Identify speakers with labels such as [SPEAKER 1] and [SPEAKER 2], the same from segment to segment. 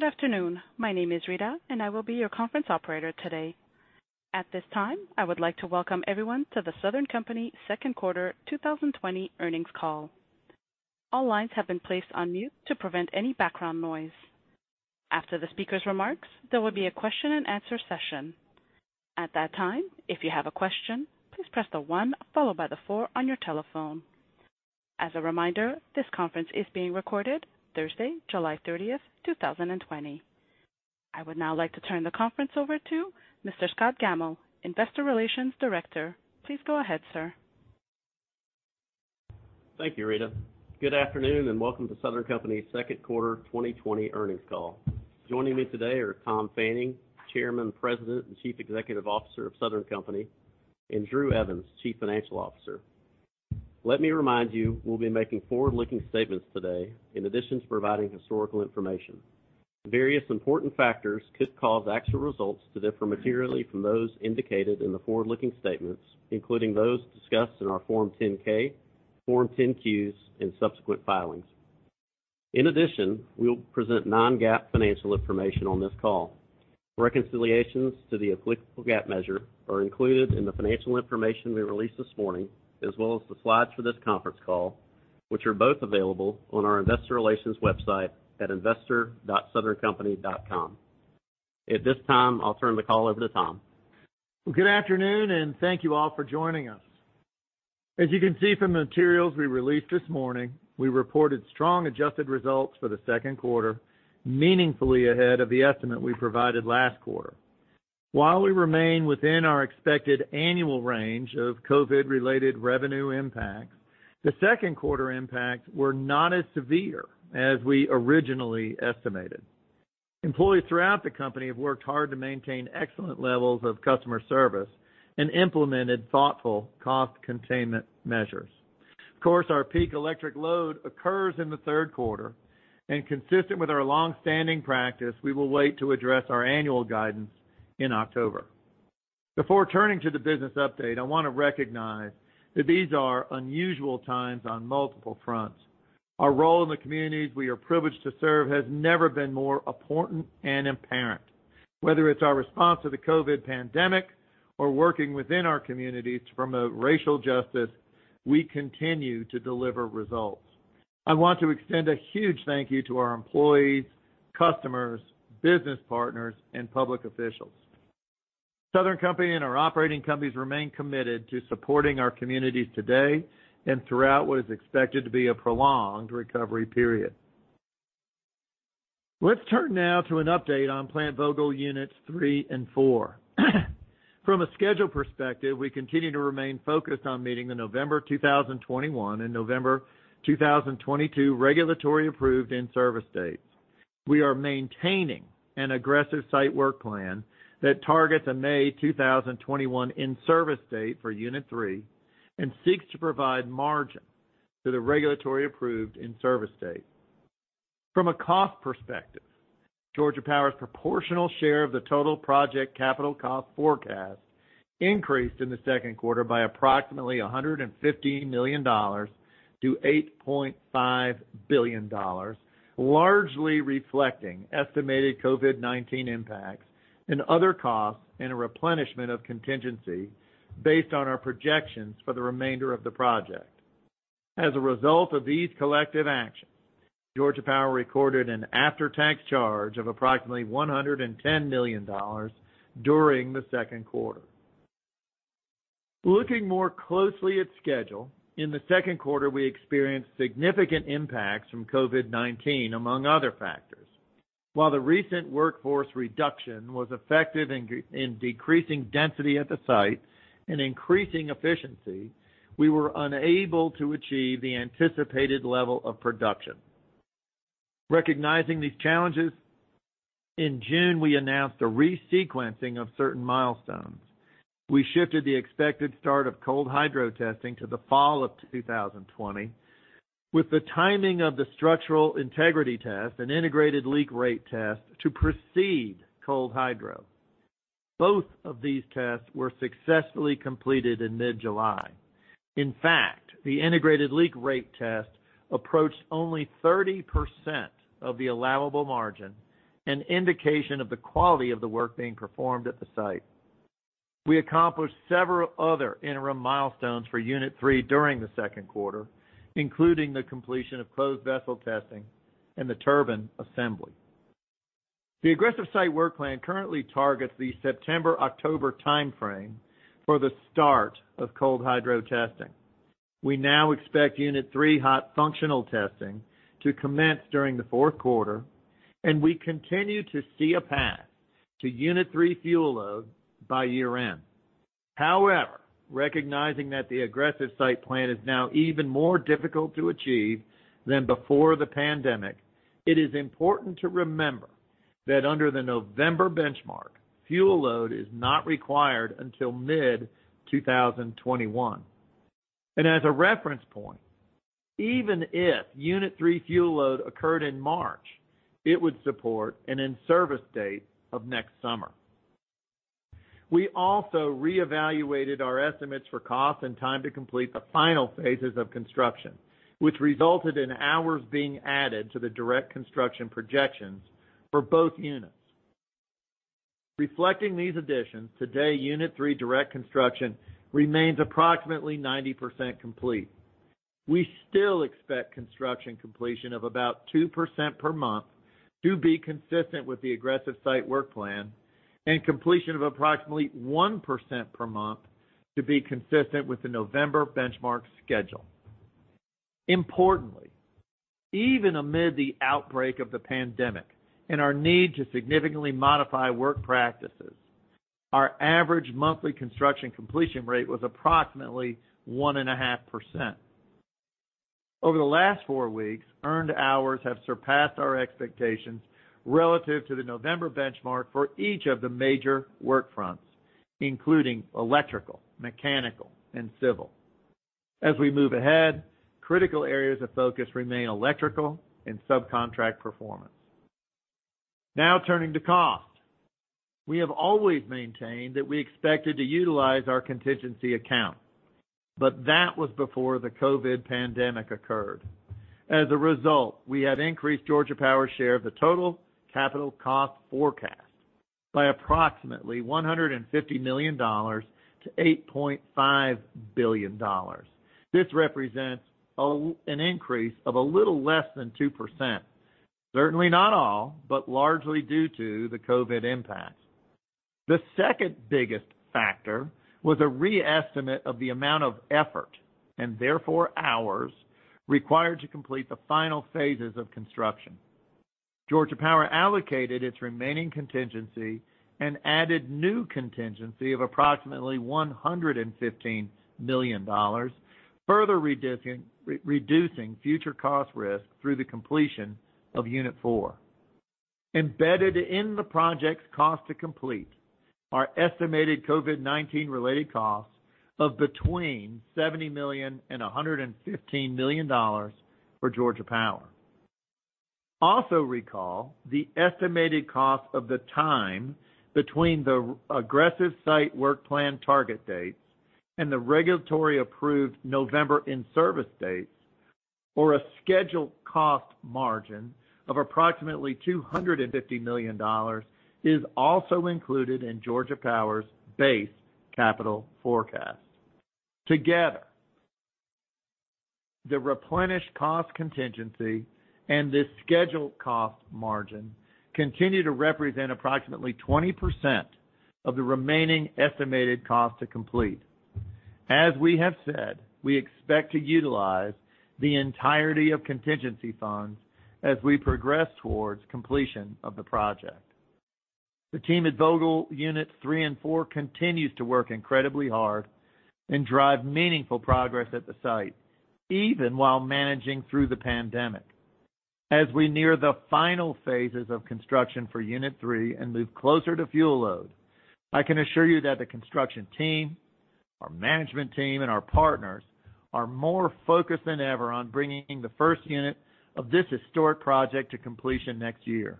[SPEAKER 1] Good afternoon. My name is Rita, and I will be your conference operator today. At this time, I would like to welcome everyone to The Southern Company second quarter 2020 earnings call. All lines have been placed on mute to prevent any background noise. After the speakers' remarks, there will be a question and answer session. At that time, if you have a question, please press the one followed by the four on your telephone. As a reminder, this conference is being recorded Thursday, July 30th, 2020. I would now like to turn the conference over to Mr. Scott Gammill, Investor Relations Director. Please go ahead, sir.
[SPEAKER 2] Thank you, Rita. Good afternoon, and welcome to Southern Company's second quarter 2020 earnings call. Joining me today are Tom Fanning, Chairman, President, and Chief Executive Officer of Southern Company, and Drew Evans, Chief Financial Officer. Let me remind you, we'll be making forward-looking statements today, in addition to providing historical information. Various important factors could cause actual results to differ materially from those indicated in the forward-looking statements, including those discussed in our Form 10-K, Form 10-Qs, and subsequent filings. In addition, we will present non-GAAP financial information on this call. Reconciliations to the applicable GAAP measure are included in the financial information we released this morning, as well as the slides for this conference call, which are both available on our investor relations website at investor.southerncompany.com. At this time, I'll turn the call over to Tom.
[SPEAKER 3] Well, good afternoon, and thank you all for joining us. As you can see from the materials we released this morning, we reported strong adjusted results for the second quarter, meaningfully ahead of the estimate we provided last quarter. While we remain within our expected annual range of COVID-related revenue impacts, the second quarter impacts were not as severe as we originally estimated. Employees throughout the company have worked hard to maintain excellent levels of customer service and implemented thoughtful cost containment measures. Of course, our peak electric load occurs in the third quarter, and consistent with our longstanding practice, we will wait to address our annual guidance in October. Before turning to the business update, I want to recognize that these are unusual times on multiple fronts. Our role in the communities we are privileged to serve has never been more important and apparent. Whether it's our response to the COVID-19 pandemic or working within our communities to promote racial justice, we continue to deliver results. I want to extend a huge thank you to our employees, customers, business partners, and public officials. Southern Company and our operating companies remain committed to supporting our communities today and throughout what is expected to be a prolonged recovery period. Let's turn now to an update on Plant Vogtle units three and four. From a schedule perspective, we continue to remain focused on meeting the November 2021 and November 2022 regulatory approved in-service dates. We are maintaining an aggressive site work plan that targets a May 2021 in-service date for Unit 3 and seeks to provide margin to the regulatory approved in-service date. From a cost perspective, Georgia Power's proportional share of the total project capital cost forecast increased in the second quarter by $150 million to $8.5 billion, largely reflecting estimated COVID-19 impacts and other costs and a replenishment of contingency based on our projections for the remainder of the project. As a result of these collective actions, Georgia Power recorded an after-tax charge of $110 million during the second quarter. Looking more closely at schedule, in the second quarter, we experienced significant impacts from COVID-19, among other factors. While the recent workforce reduction was effective in decreasing density at the site and increasing efficiency, we were unable to achieve the anticipated level of production. Recognizing these challenges, in June, we announced a resequencing of certain milestones. We shifted the expected start of cold hydrostatic testing to the fall of 2020, with the timing of the structural integrity test and integrated leak rate test to precede cold hydro. Both of these tests were successfully completed in mid-July. In fact, the integrated leak rate test approached only 30% of the allowable margin, an indication of the quality of the work being performed at the site. We accomplished several other interim milestones for Unit 3 during the second quarter, including the completion of closed vessel testing and the turbine assembly. The aggressive site work plan currently targets the September-October timeframe for the start of cold hydrostatic testing. We now expect Unit 3 hot functional testing to commence during the fourth quarter, and we continue to see a path to Unit 3 fuel load by year-end. Recognizing that the aggressive site plan is now even more difficult to achieve than before the pandemic, it is important to remember that under the November benchmark, fuel load is not required until mid-2021. As a reference point, even if Unit 3 fuel load occurred in March, it would support an in-service date of next summer. We also reevaluated our estimates for cost and time to complete the final phases of construction, which resulted in hours being added to the direct construction projections for both units. Reflecting these additions, today, Unit 3 direct construction remains approximately 90% complete. We still expect construction completion of about 2% per month to be consistent with the aggressive site work plan, and completion of approximately 1% per month to be consistent with the November benchmark schedule. Importantly, even amid the outbreak of the pandemic and our need to significantly modify work practices, our average monthly construction completion rate was approximately 1.5%. Over the last four weeks, earned hours have surpassed our expectations relative to the November benchmark for each of the major work fronts, including electrical, mechanical, and civil. As we move ahead, critical areas of focus remain electrical and subcontract performance. Now turning to cost. We have always maintained that we expected to utilize our contingency account, but that was before the COVID pandemic occurred. As a result, we have increased Georgia Power's share of the total capital cost forecast by approximately $150 million to $8.5 billion. This represents an increase of a little less than 2%, certainly not all, but largely due to the COVID impact. The second biggest factor was a reestimate of the amount of effort, and therefore hours, required to complete the final phases of construction. Georgia Power allocated its remaining contingency and added new contingency of approximately $115 million, further reducing future cost risk through the completion of unit four. Embedded in the project's cost to complete are estimated COVID-19 related costs of between $70 million and $115 million for Georgia Power. Recall the estimated cost of the time between the aggressive site work plan target dates and the regulatory approved November in-service dates or a scheduled cost margin of approximately $250 million is also included in Georgia Power's base capital forecast. Together, the replenished cost contingency and this scheduled cost margin continue to represent approximately 20% of the remaining estimated cost to complete. As we have said, we expect to utilize the entirety of contingency funds as we progress towards completion of the project. The team at Vogtle Units 3 and 4 continues to work incredibly hard and drive meaningful progress at the site, even while managing through the pandemic. As we near the final phases of construction for Unit 3 and move closer to fuel load, I can assure you that the construction team, our management team, and our partners are more focused than ever on bringing the first unit of this historic project to completion next year.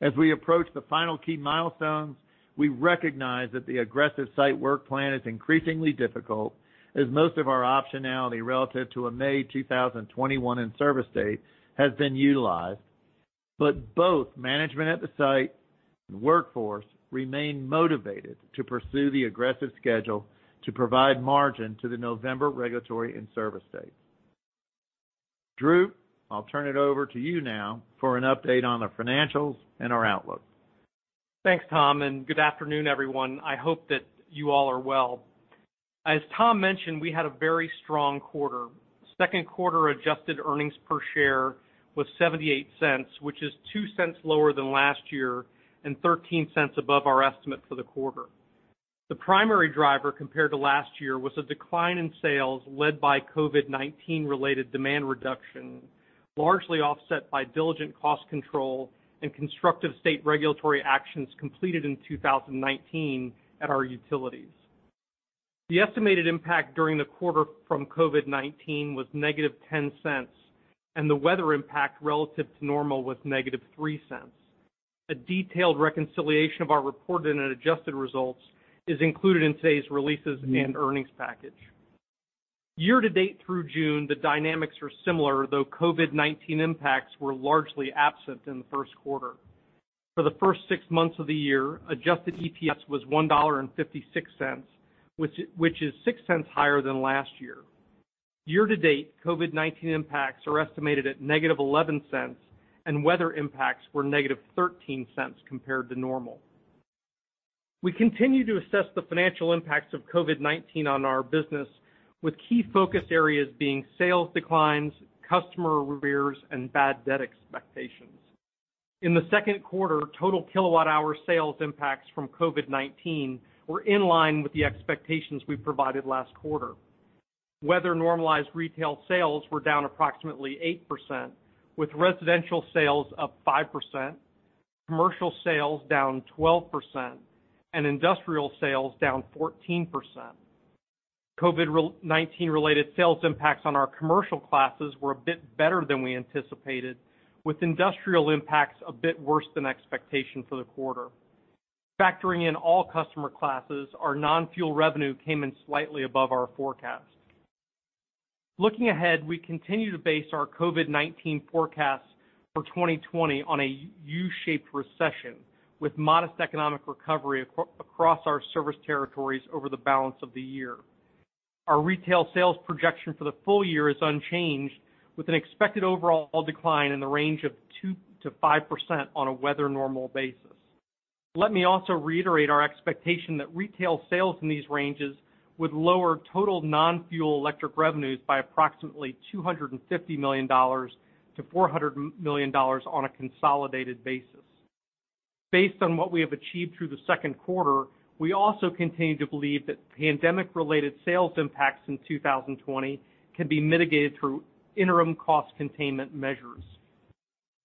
[SPEAKER 3] As we approach the final key milestones, we recognize that the aggressive site work plan is increasingly difficult as most of our optionality relative to a May 2021 in-service date has been utilized, but both management at the site and workforce remain motivated to pursue the aggressive schedule to provide margin to the November regulatory in-service date. Drew, I'll turn it over to you now for an update on the financials and our outlook.
[SPEAKER 4] Thanks, Tom, and good afternoon, everyone. I hope that you all are well. As Tom mentioned, we had a very strong quarter. Second quarter adjusted earnings per share was $0.78, which is $0.02 lower than last year and $0.13 above our estimate for the quarter. The primary driver compared to last year was a decline in sales led by COVID-19 related demand reduction, largely offset by diligent cost control and constructive state regulatory actions completed in 2019 at our utilities. The estimated impact during the quarter from COVID-19 was negative $0.10, and the weather impact relative to normal was negative $0.03. A detailed reconciliation of our reported and adjusted results is included in today's releases and earnings package. Year to date through June, the dynamics are similar, though COVID-19 impacts were largely absent in the first quarter. For the first six months of the year, adjusted EPS was $1.56, which is $0.06 higher than last year. Year to date, COVID-19 impacts are estimated at negative $0.11, weather impacts were negative $0.13 compared to normal. We continue to assess the financial impacts of COVID-19 on our business with key focus areas being sales declines, customer arrears, and bad debt expectations. In the second quarter, total kilowatt-hour sales impacts from COVID-19 were in line with the expectations we provided last quarter. Weather normalized retail sales were down approximately 8%, with residential sales up 5%, commercial sales down 12%, and industrial sales down 14%. COVID-19 related sales impacts on our commercial classes were a bit better than we anticipated, with industrial impacts a bit worse than expectation for the quarter. Factoring in all customer classes, our non-fuel revenue came in slightly above our forecast. Looking ahead, we continue to base our COVID-19 forecast for 2020 on a U-shaped recession, with modest economic recovery across our service territories over the balance of the year. Our retail sales projection for the full year is unchanged, with an expected overall decline in the range of 2%-5% on a weather-normal basis. Let me also reiterate our expectation that retail sales in these ranges would lower total non-fuel electric revenues by approximately $250 million-$400 million on a consolidated basis. Based on what we have achieved through the second quarter, we also continue to believe that pandemic-related sales impacts in 2020 can be mitigated through interim cost containment measures.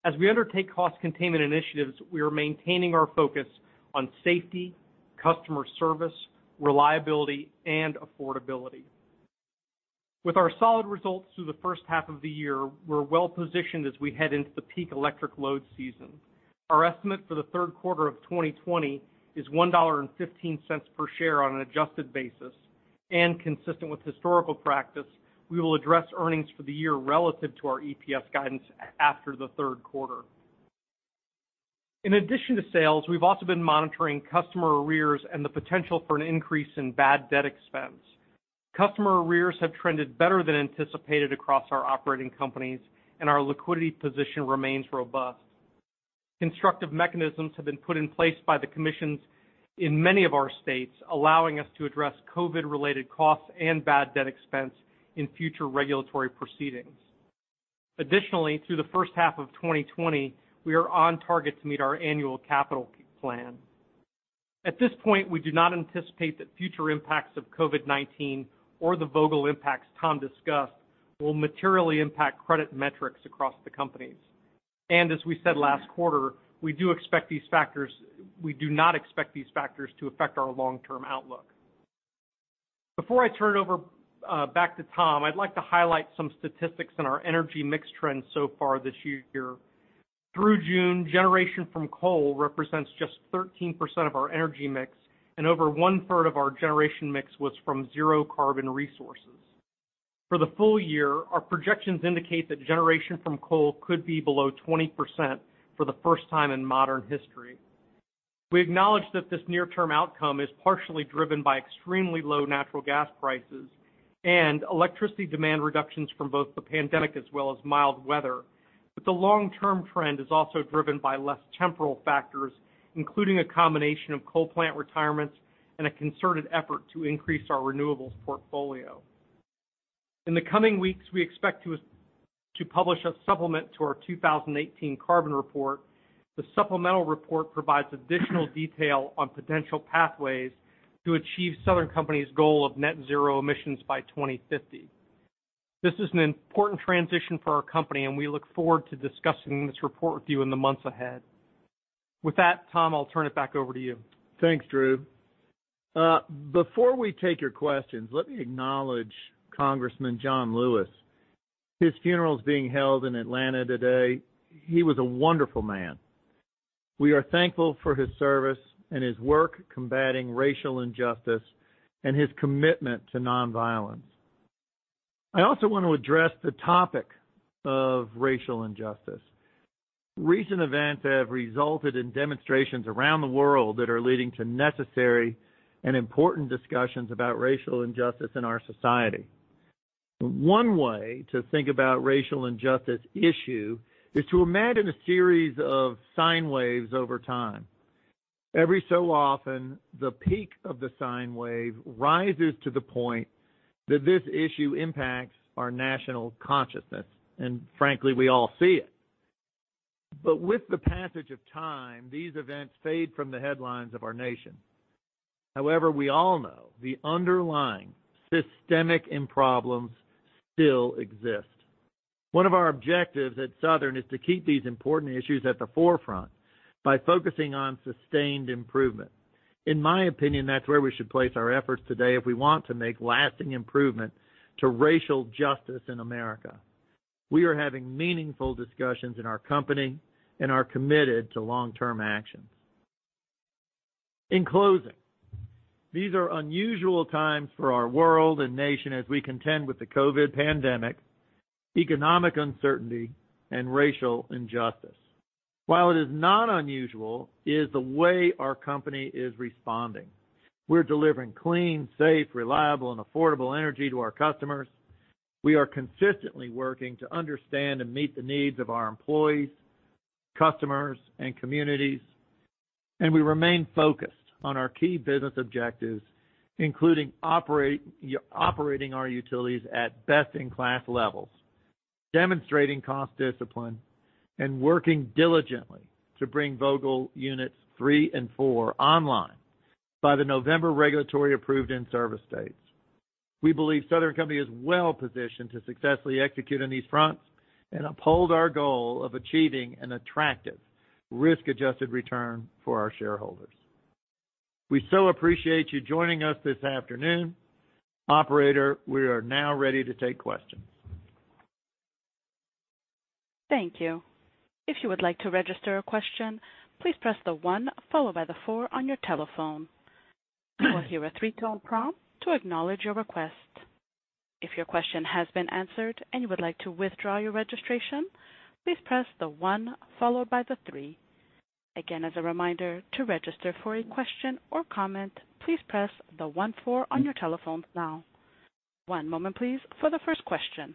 [SPEAKER 4] As we undertake cost containment initiatives, we are maintaining our focus on safety, customer service, reliability, and affordability. With our solid results through the first half of the year, we're well-positioned as we head into the peak electric load season. Our estimate for the third quarter of 2020 is $1.15 per share on an adjusted basis. Consistent with historical practice, we will address earnings for the year relative to our EPS guidance after the third quarter. In addition to sales, we've also been monitoring customer arrears and the potential for an increase in bad debt expense. Customer arrears have trended better than anticipated across our operating companies, and our liquidity position remains robust. Constructive mechanisms have been put in place by the commissions in many of our states, allowing us to address COVID-related costs and bad debt expense in future regulatory proceedings. Additionally, through the first half of 2020, we are on target to meet our annual capital plan. At this point, we do not anticipate that future impacts of COVID-19 or the Vogtle impacts Tom discussed will materially impact credit metrics across the companies. As we said last quarter, we do not expect these factors to affect our long-term outlook. Before I turn it over back to Tom, I'd like to highlight some statistics on our energy mix trends so far this year. Through June, generation from coal represents just 13% of our energy mix, and over one-third of our generation mix was from zero carbon resources. For the full year, our projections indicate that generation from coal could be below 20% for the first time in modern history. We acknowledge that this near-term outcome is partially driven by extremely low natural gas prices and electricity demand reductions from both the pandemic as well as mild weather. The long-term trend is also driven by less temporal factors, including a combination of coal plant retirements and a concerted effort to increase our renewables portfolio. In the coming weeks, we expect to publish a supplement to our 2018 carbon report. The supplemental report provides additional detail on potential pathways to achieve Southern Company's goal of net zero emissions by 2050. This is an important transition for our company, and we look forward to discussing this report with you in the months ahead. With that, Tom, I'll turn it back over to you.
[SPEAKER 3] Thanks, Drew. Before we take your questions, let me acknowledge Congressman John Lewis. His funeral is being held in Atlanta today. He was a wonderful man. We are thankful for his service and his work combating racial injustice and his commitment to nonviolence. I also want to address the topic of racial injustice. Recent events have resulted in demonstrations around the world that are leading to necessary and important discussions about racial injustice in our society. One way to think about racial injustice issue is to imagine a series of sine waves over time. Every so often, the peak of the sine wave rises to the point that this issue impacts our national consciousness, and frankly, we all see it. With the passage of time, these events fade from the headlines of our nation. However, we all know the underlying systemic end problems still exist. One of our objectives at Southern is to keep these important issues at the forefront by focusing on sustained improvement. In my opinion, that's where we should place our efforts today if we want to make lasting improvement to racial justice in America. We are having meaningful discussions in our company and are committed to long-term actions. In closing, these are unusual times for our world and nation as we contend with the COVID pandemic, economic uncertainty, and racial injustice. While it is not unusual is the way our company is responding. We're delivering clean, safe, reliable, and affordable energy to our customers. We are consistently working to understand and meet the needs of our employees, customers, and communities, and we remain focused on our key business objectives, including operating our utilities at best-in-class levels, demonstrating cost discipline, and working diligently to bring Vogtle Units 3 and 4 online by the November regulatory approved in-service dates. We believe Southern Company is well-positioned to successfully execute on these fronts and uphold our goal of achieving an attractive risk-adjusted return for our shareholders. We so appreciate you joining us this afternoon. Operator, we are now ready to take questions.
[SPEAKER 1] Thank you. If you would like to register a question, please press the one followed by the four on your telephone. You will hear a three-tone prompt to acknowledge your request. If your question has been answered and you would like to withdraw your registration, please press the one followed by the three. Again, as a reminder, to register for a question or comment, please press the one four on your telephone now. One moment please for the first question.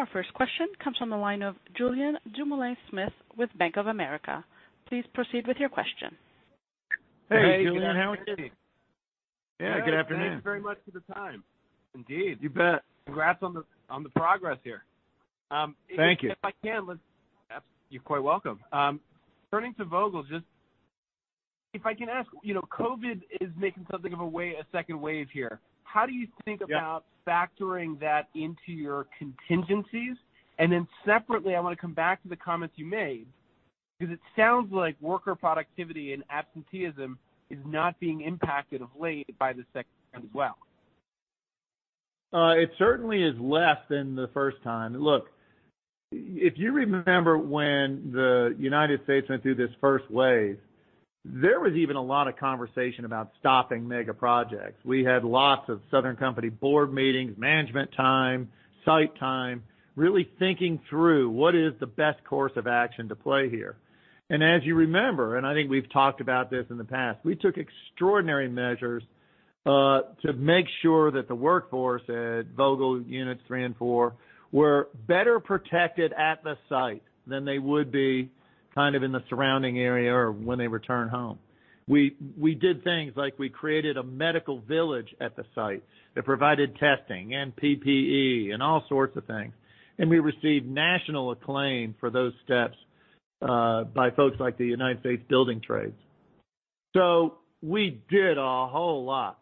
[SPEAKER 1] Our first question comes from the line of Julien Dumoulin-Smith with Bank of America. Please proceed with your question.
[SPEAKER 3] Hey, Julien, how are you?
[SPEAKER 5] Hey.
[SPEAKER 3] Yeah, good afternoon.
[SPEAKER 5] Thanks very much for the time. Indeed.
[SPEAKER 3] You bet.
[SPEAKER 5] Congrats on the progress here.
[SPEAKER 3] Thank you.
[SPEAKER 5] If I can, you're quite welcome. Turning to Vogtle, if I can ask, COVID is making something of a second wave here. How do you think?
[SPEAKER 3] Yeah.
[SPEAKER 5] About factoring that into your contingencies? Separately, I want to come back to the comments you made, because it sounds like worker productivity and absenteeism is not being impacted of late by the second wave as well.
[SPEAKER 3] It certainly is less than the first time. Look, if you remember when the U.S. went through this first wave, there was even a lot of conversation about stopping mega projects. We had lots of Southern Company board meetings, management time, site time, really thinking through what is the best course of action to play here. As you remember, and I think we've talked about this in the past, we took extraordinary measures, to make sure that the workforce at Vogtle units three and four were better protected at the site than they would be in the surrounding area or when they return home. We did things like we created a medical village at the site that provided testing and PPE and all sorts of things. We received national acclaim for those steps, by folks like the U.S. Building Trades. We did a whole lot.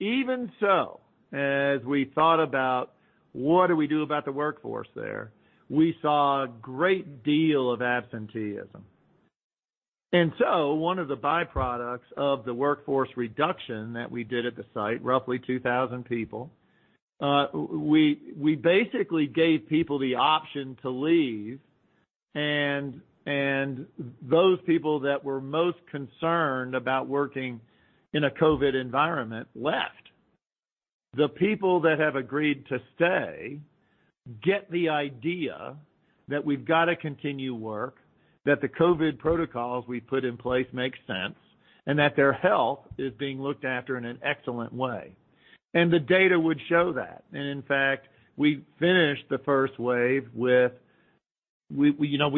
[SPEAKER 3] Even so, as we thought about what do we do about the workforce there, we saw a great deal of absenteeism. One of the byproducts of the workforce reduction that we did at the site, roughly 2,000 people, we basically gave people the option to leave, and those people that were most concerned about working in a COVID environment left. The people that have agreed to stay get the idea that we've got to continue work, that the COVID protocols we put in place make sense, and that their health is being looked after in an excellent way. The data would show that. In fact, we finished the first wave. We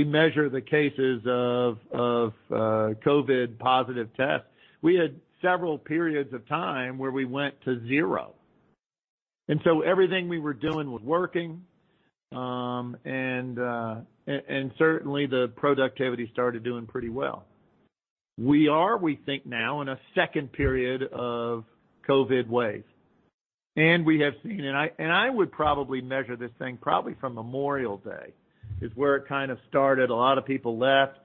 [SPEAKER 3] measure the cases of COVID-positive tests. We had several periods of time where we went to zero. Everything we were doing was working, and certainly the productivity started doing pretty well. We are, we think now, in a second period of COVID wave. I would probably measure this thing probably from Memorial Day, is where it kind of started. A lot of people left,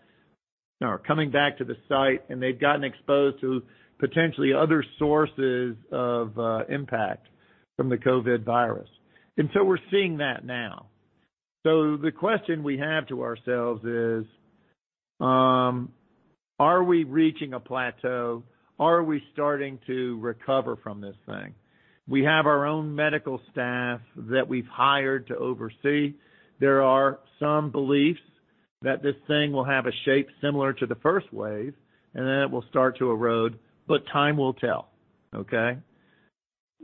[SPEAKER 3] are coming back to the site, and they've gotten exposed to potentially other sources of impact from the COVID virus. We're seeing that now. The question we have to ourselves is, are we reaching a plateau? Are we starting to recover from this thing? We have our own medical staff that we've hired to oversee. There are some beliefs that this thing will have a shape similar to the first wave, and then it will start to erode, but time will tell.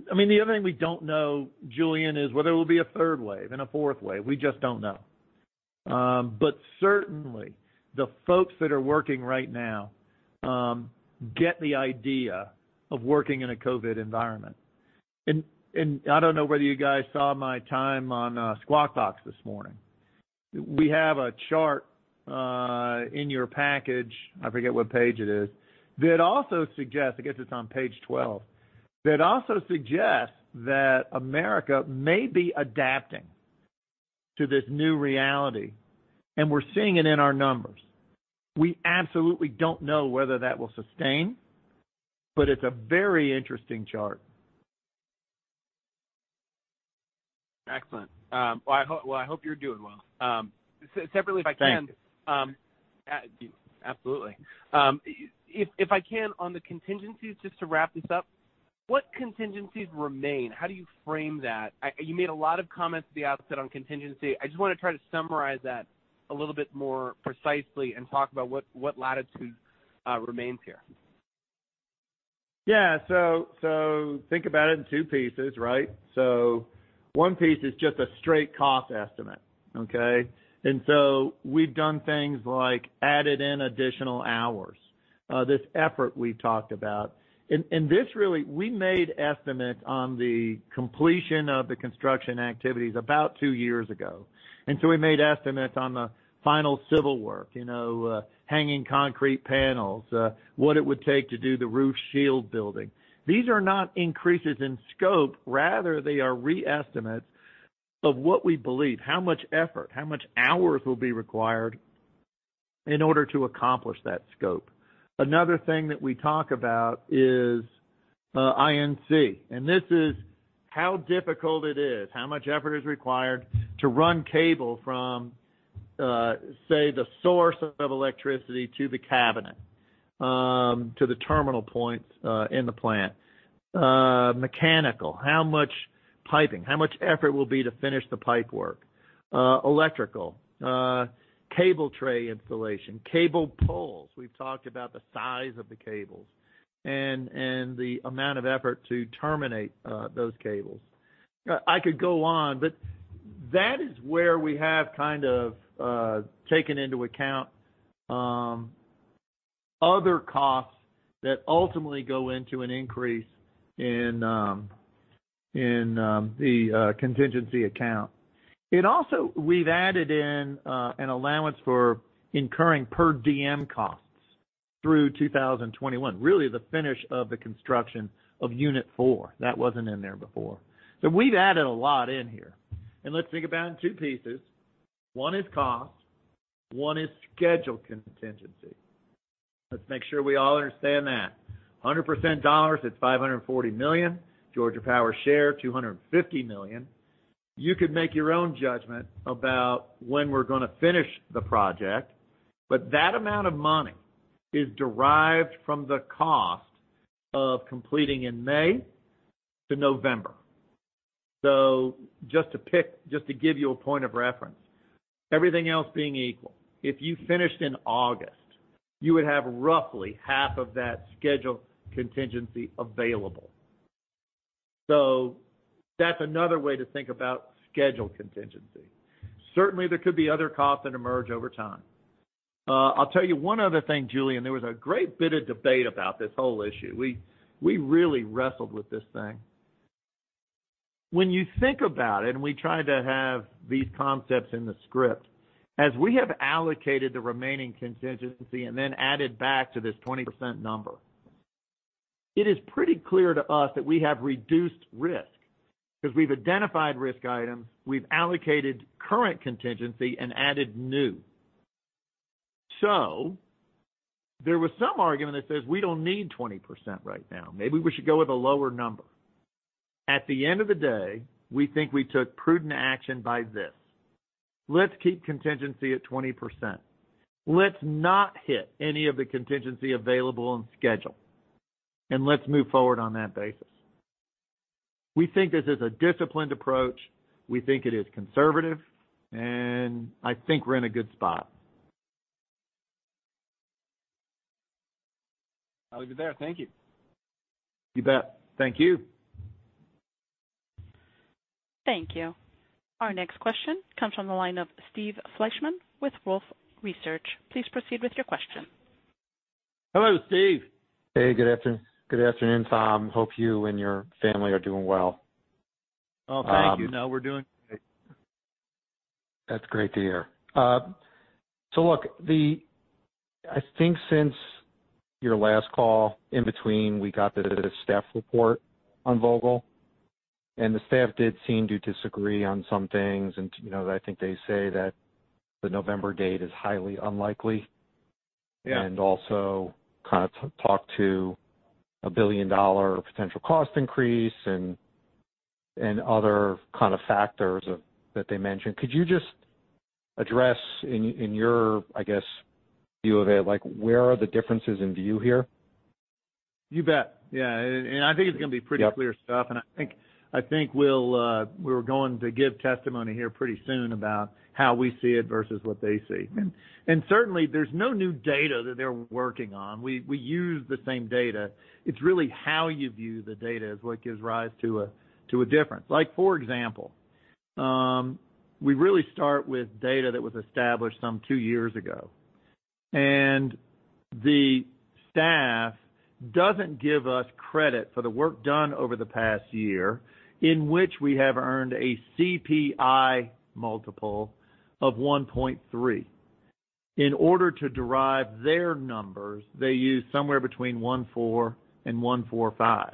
[SPEAKER 3] Okay? The other thing we don't know, Julien, is whether there will be a third wave and a fourth wave. We just don't know. Certainly, the folks that are working right now get the idea of working in a COVID environment. I don't know whether you guys saw my time on Squawk Box this morning. We have a chart in your package, I forget what page it is, I guess it's on page 12, that also suggests that America may be adapting to this new reality, and we're seeing it in our numbers. We absolutely don't know whether that will sustain, but it's a very interesting chart.
[SPEAKER 5] Excellent. Well, I hope you're doing well. Separately if I can.
[SPEAKER 3] Thanks.
[SPEAKER 5] Absolutely. If I can, on the contingencies, just to wrap this up, what contingencies remain? How do you frame that? You made a lot of comments at the outset on contingency. I just want to try to summarize that a little bit more precisely and talk about what latitude remains here.
[SPEAKER 3] Think about it in two pieces, right? One piece is just a straight cost estimate. Okay? We've done things like added in additional hours. This effort we talked about. We made estimates on the completion of the construction activities about two years ago. We made estimates on the final civil work. Hanging concrete panels, what it would take to do the roof shield building. These are not increases in scope, rather, they are re-estimates of what we believe, how much effort, how much hours will be required in order to accomplish that scope. Another thing that we talk about is I&C. This is how difficult it is, how much effort is required to run cable from, say, the source of electricity to the cabinet, to the terminal points in the plant. Mechanical, how much piping, how much effort will be to finish the pipe work. Electrical, cable tray installation, cable pulls. We've talked about the size of the cables and the amount of effort to terminate those cables. I could go on, that is where we have kind of taken into account other costs that ultimately go into an increase in the contingency account. We've added in an allowance for incurring per diem costs through 2021, really the finish of the construction of Unit 4. That wasn't in there before. We've added a lot in here. Let's think about it in two pieces. One is cost, one is schedule contingency. Let's make sure we all understand that. 100% dollars, it's $540 million. Georgia Power share, $250 million. You could make your own judgment about when we're going to finish the project, that amount of money is derived from the cost of completing in May to November. Just to give you a point of reference, everything else being equal, if you finished in August, you would have roughly half of that schedule contingency available. That's another way to think about schedule contingency. Certainly, there could be other costs that emerge over time. I'll tell you one other thing, Julien. There was a great bit of debate about this whole issue. We really wrestled with this thing. When you think about it, and we try to have these concepts in the script, as we have allocated the remaining contingency and then added back to this 20% number, it is pretty clear to us that we have reduced risk, because we've identified risk items, we've allocated current contingency and added new. There was some argument that says, "We don't need 20% right now. Maybe we should go with a lower number." At the end of the day, we think we took prudent action by this. Let's keep contingency at 20%. Let's not hit any of the contingency available on schedule, and let's move forward on that basis. We think this is a disciplined approach. We think it is conservative, and I think we're in a good spot.
[SPEAKER 5] I'll leave it there. Thank you.
[SPEAKER 3] You bet. Thank you.
[SPEAKER 1] Thank you. Our next question comes from the line of Steve Fleishman with Wolfe Research. Please proceed with your question.
[SPEAKER 3] Hello, Steve.
[SPEAKER 6] Hey, good afternoon, Tom. Hope you and your family are doing well.
[SPEAKER 3] Oh, thank you. No, we're doing great.
[SPEAKER 6] That's great to hear. Look, I think since your last call, in between, we got the staff report on Vogtle, and the staff did seem to disagree on some things. I think they say that the November date is highly unlikely.
[SPEAKER 3] Yeah.
[SPEAKER 6] Also kind of talk to $1 billion potential cost increase and other kind of factors that they mentioned. Could you just address in your, I guess, view of it, like, where are the differences in view here?
[SPEAKER 3] You bet. I think it's going to be pretty clear stuff, and I think we're going to give testimony here pretty soon about how we see it versus what they see. Certainly, there's no new data that they're working on. We use the same data. It's really how you view the data is what gives rise to a difference. Like, for example, we really start with data that was established some two years ago. The staff doesn't give us credit for the work done over the past year in which we have earned a CPI multiple of 1.3. In order to derive their numbers, they use somewhere between 1.4 and 1.45,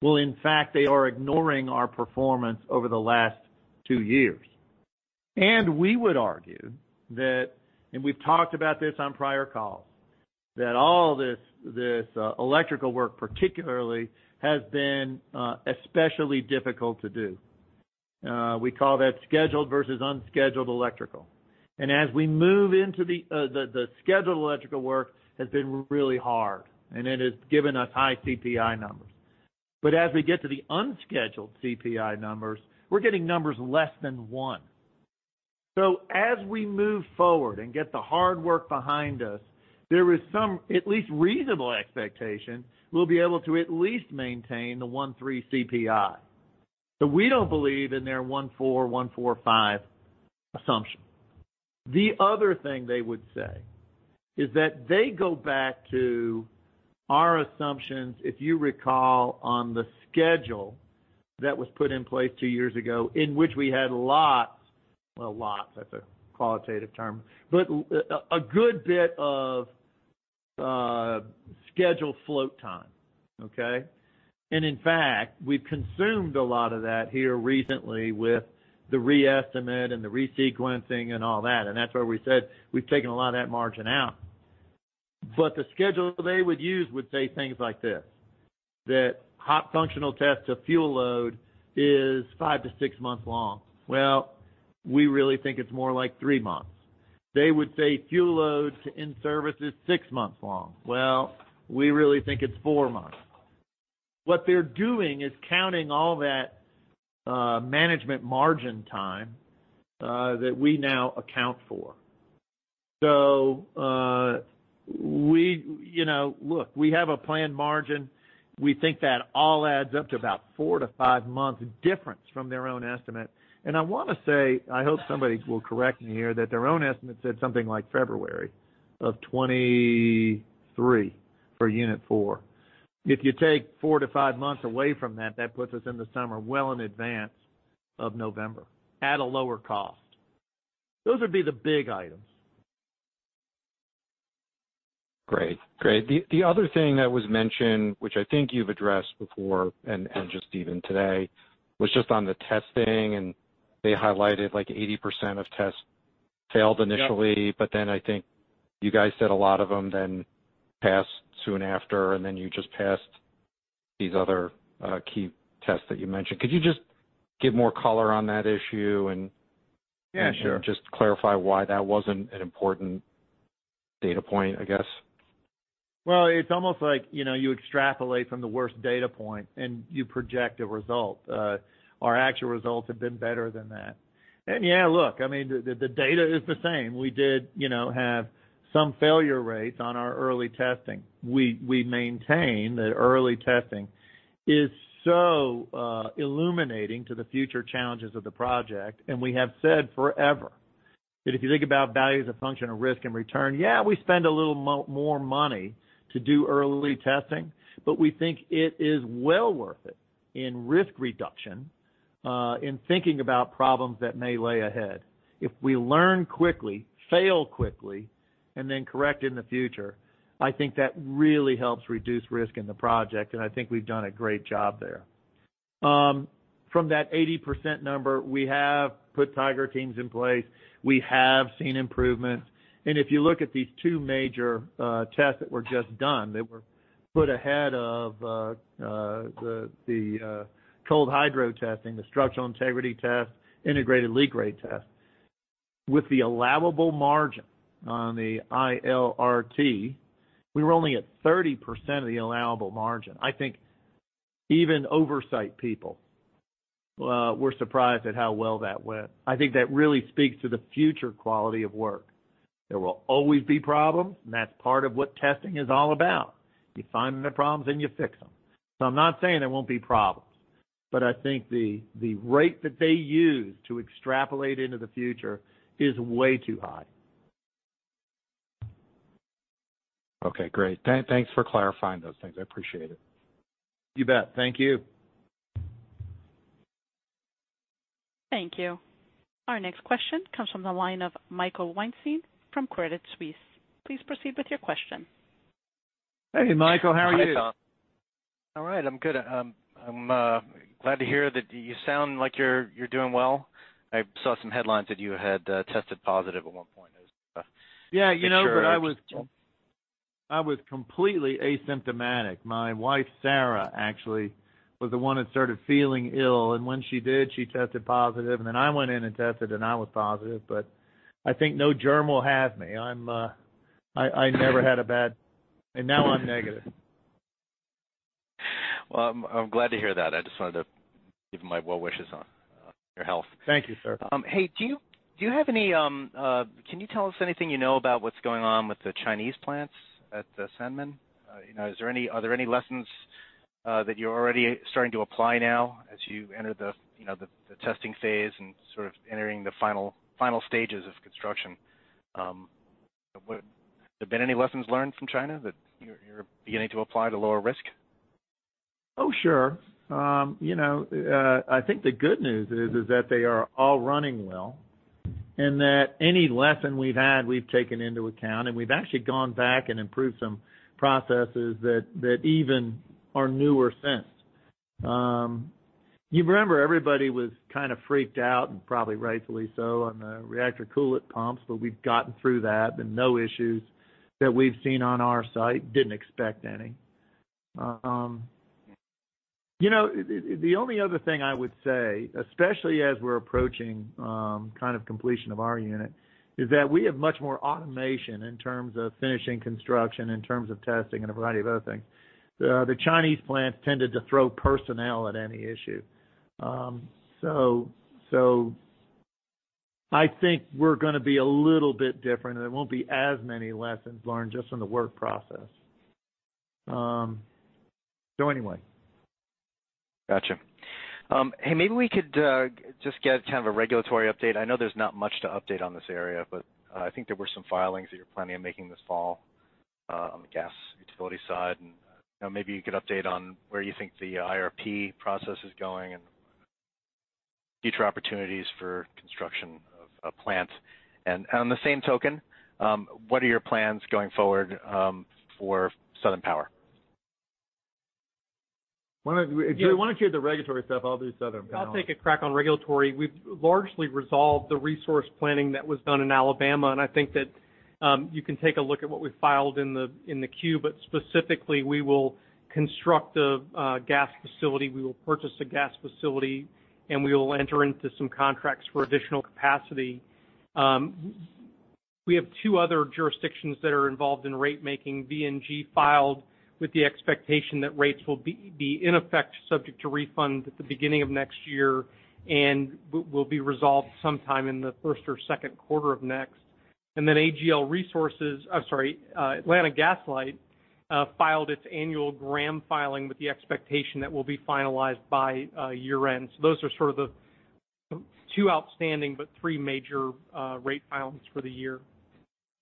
[SPEAKER 3] while in fact, they are ignoring our performance over the last two years. We would argue that, and we've talked about this on prior calls, that all this electrical work particularly has been especially difficult to do. We call that scheduled versus unscheduled electrical. As we move into the scheduled electrical work has been really hard, and it has given us high CPI numbers. As we get to the unscheduled CPI numbers, we're getting numbers less than one. As we move forward and get the hard work behind us, there is some at least reasonable expectation we'll be able to at least maintain the 1.3 CPI. We don't believe in their 1.4, 1.45 assumption. The other thing they would say is that they go back to our assumptions, if you recall, on the schedule that was put in place two years ago, in which we had lots, that's a qualitative term, but a good bit of schedule float time. Okay? In fact, we've consumed a lot of that here recently with the re-estimate and the re-sequencing and all that, and that's where we said we've taken a lot of that margin out. The schedule they would use would say things like this, that hot functional test to fuel load is five to six months long. Well, we really think it's more like three months. They would say fuel load to in-service is six months long. Well, we really think it's four months. What they're doing is counting all that management margin time that we now account for. Look, we have a planned margin. We think that all adds up to about four to five months difference from their own estimate. I want to say, I hope somebody will correct me here, that their own estimate said something like February of 2023 for Unit 4. If you take four to five months away from that puts us in the summer well in advance of November, at a lower cost. Those would be the big items.
[SPEAKER 6] Great. The other thing that was mentioned, which I think you've addressed before and just even today, was just on the testing, and they highlighted like 80% of tests failed initially.
[SPEAKER 3] Yeah.
[SPEAKER 6] I think you guys said a lot of them then passed soon after, and then you just passed these other key tests that you mentioned. Could you just give more color on that issue?
[SPEAKER 3] Yeah, sure.
[SPEAKER 6] Just clarify why that wasn't an important data point, I guess?
[SPEAKER 3] Well, it's almost like you extrapolate from the worst data point and you project a result. Our actual results have been better than that. Yeah, look, the data is the same. We did have some failure rates on our early testing. We maintain that early testing is so illuminating to the future challenges of the project, and we have said forever that if you think about value as a function of risk and return, yeah, we spend a little more money to do early testing, but we think it is well worth it in risk reduction, in thinking about problems that may lay ahead. If we learn quickly, fail quickly, and then correct in the future, I think that really helps reduce risk in the project, and I think we've done a great job there. From that 80% number, we have put tiger teams in place. We have seen improvements. If you look at these two major tests that were just done, that were put ahead of the cold hydrostatic testing, the structural integrity test, integrated leak rate test. With the allowable margin on the ILRT, we were only at 30% of the allowable margin. I think even oversight people were surprised at how well that went. I think that really speaks to the future quality of work. There will always be problems, and that's part of what testing is all about. You find the problems, and you fix them. I'm not saying there won't be problems, but I think the rate that they use to extrapolate into the future is way too high.
[SPEAKER 6] Okay, great. Thanks for clarifying those things. I appreciate it.
[SPEAKER 3] You bet. Thank you.
[SPEAKER 1] Thank you. Our next question comes from the line of Michael Weinstein from Credit Suisse. Please proceed with your question.
[SPEAKER 3] Hey, Michael. How are you?
[SPEAKER 7] Hi, Tom. All right. I'm good. I'm glad to hear that. You sound like you're doing well. I saw some headlines that you had tested positive at one point.
[SPEAKER 3] Yeah.
[SPEAKER 7] A bit sure if.
[SPEAKER 3] I was completely asymptomatic. My wife, Sarah, actually, was the one that started feeling ill, and when she did, she tested positive, and then I went in and tested, and I was positive, but I think no germ will have me. Now I'm negative.
[SPEAKER 7] Well, I'm glad to hear that. I just wanted to give my well wishes on your health.
[SPEAKER 3] Thank you, sir.
[SPEAKER 7] Hey, can you tell us anything you know about what's going on with the Chinese plants at Sanmen? Are there any lessons that you're already starting to apply now as you enter the testing phase and sort of entering the final stages of construction? Have there been any lessons learned from China that you're beginning to apply to lower risk?
[SPEAKER 3] Oh, sure. I think the good news is that they are all running well and that any lesson we've had, we've taken into account, and we've actually gone back and improved some processes that even are newer since. You remember everybody was kind of freaked out, and probably rightfully so, on the reactor coolant pumps, but we've gotten through that, and no issues that we've seen on our site. Didn't expect any. The only other thing I would say, especially as we're approaching kind of completion of our unit, is that we have much more automation in terms of finishing construction, in terms of testing, and a variety of other things. The Chinese plants tended to throw personnel at any issue. I think we're going to be a little bit different, and there won't be as many lessons learned just on the work process. Anyway.
[SPEAKER 7] Got you. Hey, maybe we could just get kind of a regulatory update. I know there's not much to update on this area, but I think there were some filings that you're planning on making this fall on the gas utility side, and maybe you could update on where you think the IRP process is going. Future opportunities for construction of a plant. On the same token, what are your plans going forward for Southern Power?
[SPEAKER 3] Gary, why don't you hit the regulatory stuff? I'll do Southern Power.
[SPEAKER 4] I'll take a crack on regulatory. We've largely resolved the resource planning that was done in Alabama, and I think that you can take a look at what we filed in the queue, but specifically, we will construct a gas facility, we will purchase a gas facility, and we will enter into some contracts for additional capacity. We have two other jurisdictions that are involved in rate making. VNG filed with the expectation that rates will be in effect, subject to refund at the beginning of next year and will be resolved sometime in the first or second quarter of next. Atlanta Gas Light filed its annual GRAM filing with the expectation that will be finalized by year-end. Those are sort of the two outstanding but three major rate filings for the year.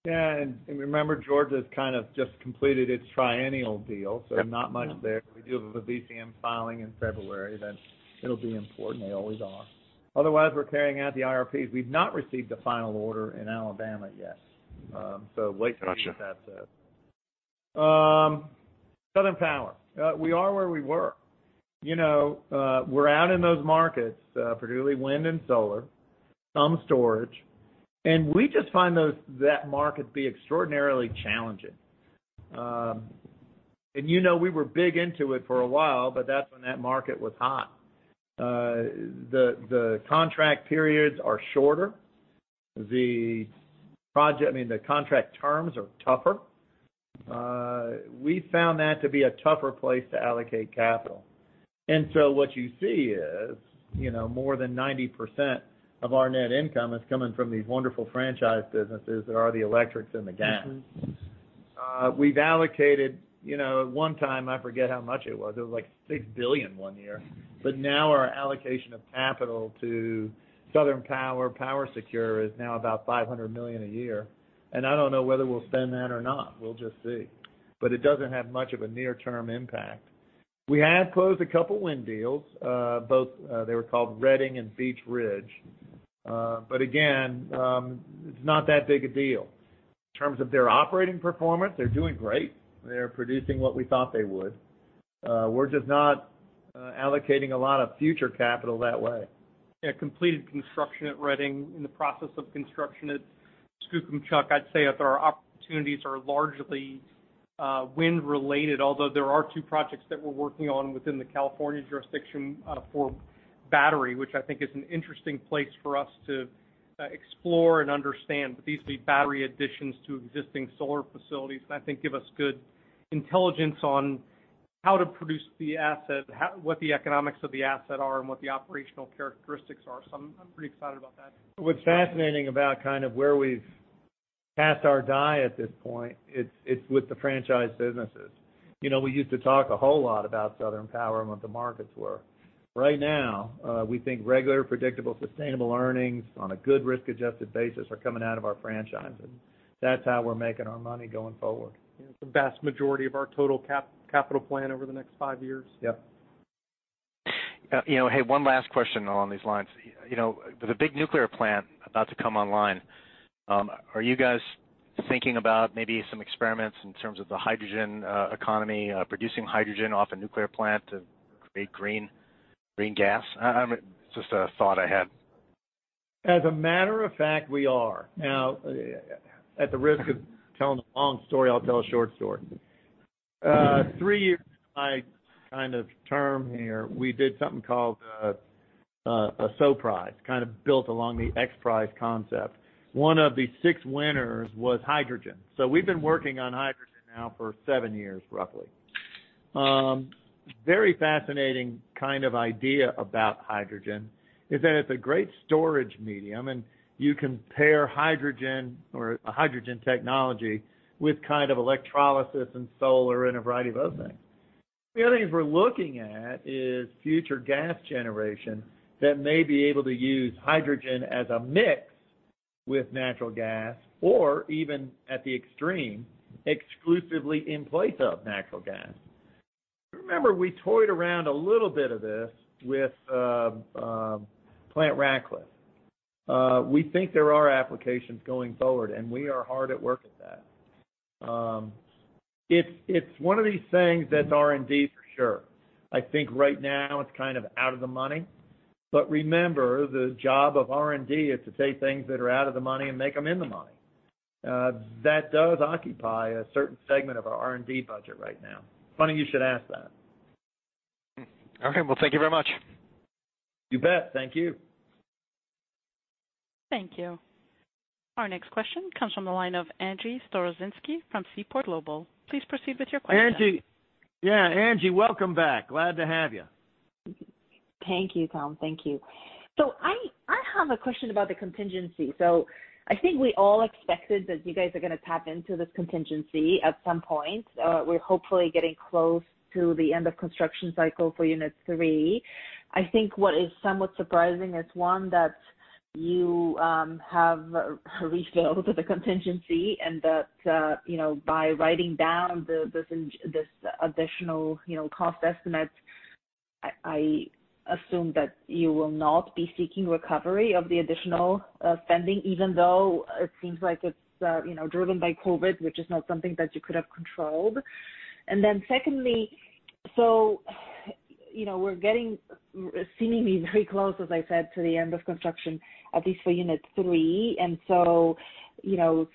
[SPEAKER 3] Yeah. Remember, Georgia's kind of just completed its triennial deal.
[SPEAKER 4] Yep.
[SPEAKER 3] Not much there. We do have a VCM filing in February that it'll be important. They always are. Otherwise, we're carrying out the IRPs. We've not received a final order in Alabama yet.
[SPEAKER 7] Gotcha.
[SPEAKER 3] See what that says. Southern Power. We are where we were. We're out in those markets, particularly wind and solar, some storage. We just find that market to be extraordinarily challenging. You know we were big into it for a while, but that's when that market was hot. The contract periods are shorter. I mean, the contract terms are tougher. We found that to be a tougher place to allocate capital. What you see is, more than 90% of our net income is coming from these wonderful franchise businesses that are the electrics and the gas. We've allocated, at one time, I forget how much it was, it was like $6 billion one year. Now our allocation of capital to Southern Power, PowerSecure, is now about $500 million a year. I don't know whether we'll spend that or not. We'll just see. It doesn't have much of a near-term impact. We have closed a couple wind deals. Both, they were called Reading and Beech Ridge. Again, it's not that big a deal. In terms of their operating performance, they're doing great. They're producing what we thought they would. We're just not allocating a lot of future capital that way.
[SPEAKER 4] Yeah, completed construction at Reading, in the process of construction at Skookumchuck. I'd say that our opportunities are largely wind-related, although there are two projects that we're working on within the California jurisdiction for battery, which I think is an interesting place for us to explore and understand. These would be battery additions to existing solar facilities that I think give us good intelligence on how to produce the asset, what the economics of the asset are, and what the operational characteristics are. I'm pretty excited about that.
[SPEAKER 3] What's fascinating about kind of where we've cast our die at this point, it's with the franchise businesses. We used to talk a whole lot about Southern Power and what the markets were. Right now, we think regular, predictable, sustainable earnings on a good risk-adjusted basis are coming out of our franchises. That's how we're making our money going forward.
[SPEAKER 4] Yeah. The vast majority of our total capital plan over the next five years.
[SPEAKER 3] Yep.
[SPEAKER 7] Hey, one last question along these lines. With a big nuclear plant about to come online, are you guys thinking about maybe some experiments in terms of the hydrogen economy, producing hydrogen off a nuclear plant to create green gas? It's just a thought I had.
[SPEAKER 3] As a matter of fact, we are. At the risk of telling a long story, I'll tell a short story. Three years into my kind of term here, we did something called a SO Prize, kind of built along the XPRIZE concept. One of the six winners was hydrogen. We've been working on hydrogen now for seven years, roughly. Very fascinating kind of idea about hydrogen is that it's a great storage medium, and you can pair hydrogen or a hydrogen technology with kind of electrolysis and solar and a variety of other things. The other thing we're looking at is future gas generation that may be able to use hydrogen as a mix with natural gas or even at the extreme, exclusively in place of natural gas. Remember, we toyed around a little bit of this with Plant Ratcliffe. We think there are applications going forward. We are hard at work at that. It's one of these things that's R&D for sure. I think right now it's kind of out of the money. Remember, the job of R&D is to take things that are out of the money and make them in the money. That does occupy a certain segment of our R&D budget right now. Funny you should ask that.
[SPEAKER 7] Okay. Well, thank you very much.
[SPEAKER 3] You bet. Thank you.
[SPEAKER 1] Thank you. Our next question comes from the line of Angie Storozynski from Seaport Global. Please proceed with your question.
[SPEAKER 3] Angie. Yeah, Angie, welcome back. Glad to have you.
[SPEAKER 8] Thank you, Tom. Thank you. I have a question about the contingency. I think we all expected that you guys are going to tap into this contingency at some point. We're hopefully getting close to the end of construction cycle for Unit 3. I think what is somewhat surprising is, one, you have refilled the contingency and that by writing down this additional cost estimate, I assume that you will not be seeking recovery of the additional spending, even though it seems like it's driven by COVID, which is not something that you could have controlled. Secondly, we're seeming very close, as I said, to the end of construction, at least for Unit 3.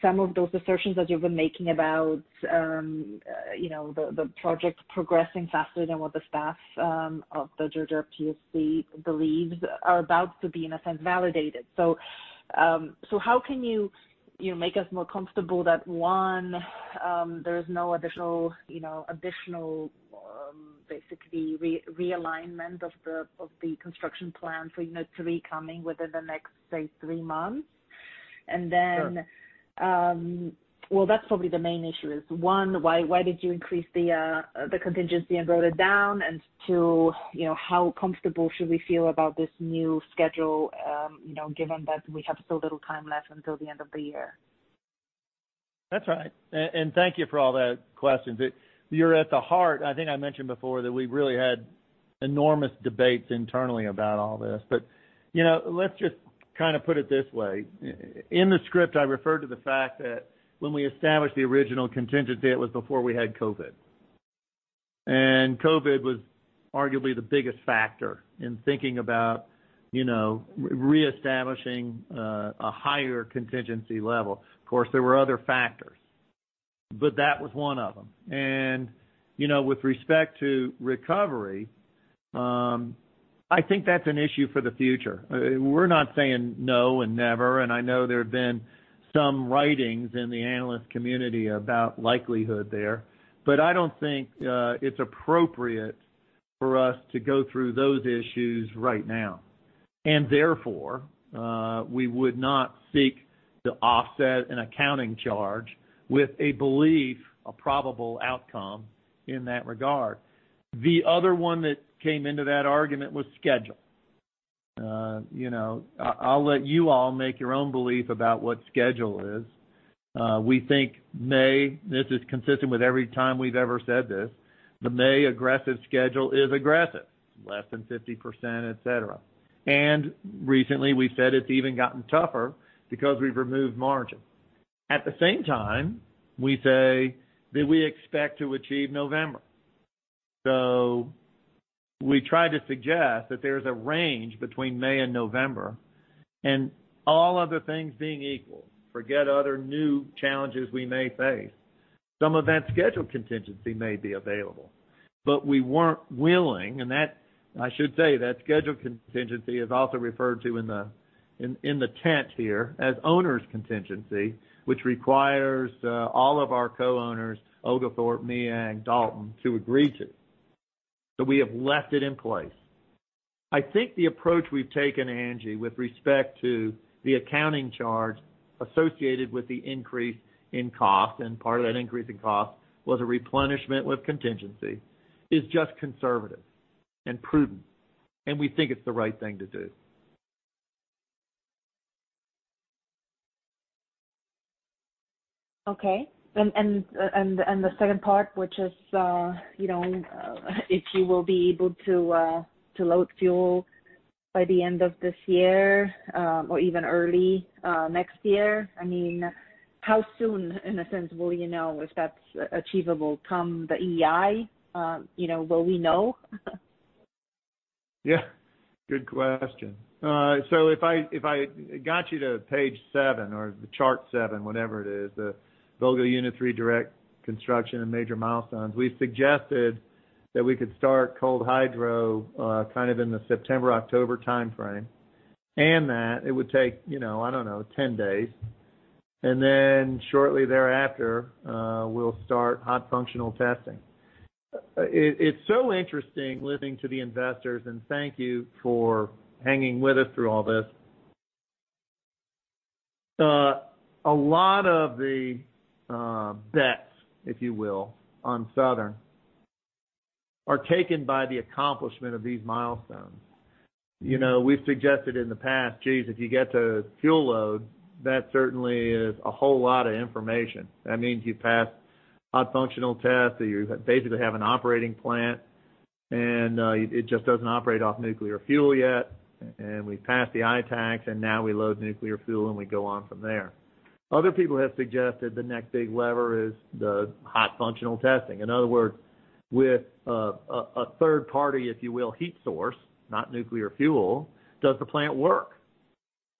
[SPEAKER 8] Some of those assertions that you've been making about the project progressing faster than what the staff of the Georgia PSC believes are about to be, in a sense, validated. How can you make us more comfortable that, one, there is no additional, basically, realignment of the construction plan for Unit 3 coming within the next, say, three months?
[SPEAKER 3] Sure.
[SPEAKER 8] Well, that's probably the main issue is, one, why did you increase the contingency and wrote it down? Two, how comfortable should we feel about this new schedule, given that we have so little time left until the end of the year?
[SPEAKER 3] That's right. Thank you for all the questions. I think I mentioned before that we've really had enormous debates internally about all this. Let's just put it this way. In the script, I referred to the fact that when we established the original contingency, it was before we had COVID. COVID was arguably the biggest factor in thinking about reestablishing a higher contingency level. Of course, there were other factors, but that was one of them. With respect to recovery, I think that's an issue for the future. We're not saying no and never, and I know there have been some writings in the analyst community about likelihood there. I don't think it's appropriate for us to go through those issues right now. Therefore, we would not seek to offset an accounting charge with a belief, a probable outcome in that regard. The other one that came into that argument was schedule. I'll let you all make your own belief about what schedule is. We think May, this is consistent with every time we've ever said this. The May aggressive schedule is aggressive, less than 50%, et cetera. Recently, we said it's even gotten tougher because we've removed margin. At the same time, we say that we expect to achieve November. We try to suggest that there's a range between May and November, and all other things being equal, forget other new challenges we may face. Some of that schedule contingency may be available. I should say, that schedule contingency is also referred to in the tent here as owner's contingency, which requires all of our co-owners, Oglethorpe, MEAG, Dalton, to agree to. We have left it in place. I think the approach we've taken, Angie, with respect to the accounting charge associated with the increase in cost, and part of that increase in cost was a replenishment with contingency, is just conservative and prudent, and we think it's the right thing to do.
[SPEAKER 8] Okay. The second part, which is if you will be able to load fuel by the end of this year, or even early next year. How soon, in a sense, will you know if that's achievable come the EEI? Will we know?
[SPEAKER 3] If I got you to page seven or the chart seven, whatever it is, the Vogtle Unit 3 direct construction and major milestones. We've suggested that we could start cold hydro in the September, October timeframe, and that it would take, I don't know, 10 days. Shortly thereafter, we'll start hot functional testing. It's so interesting listening to the investors, and thank you for hanging with us through all this. A lot of the bets, if you will, on Southern are taken by the accomplishment of these milestones. We've suggested in the past, geez, if you get to fuel load, that certainly is a whole lot of information. That means you've passed hot functional tests, so you basically have an operating plant. It just doesn't operate off nuclear fuel yet. We've passed the ITAACs, and now we load nuclear fuel, and we go on from there. Other people have suggested the next big lever is the hot functional testing. In other words, with a third party, if you will, heat source, not nuclear fuel, does the plant work?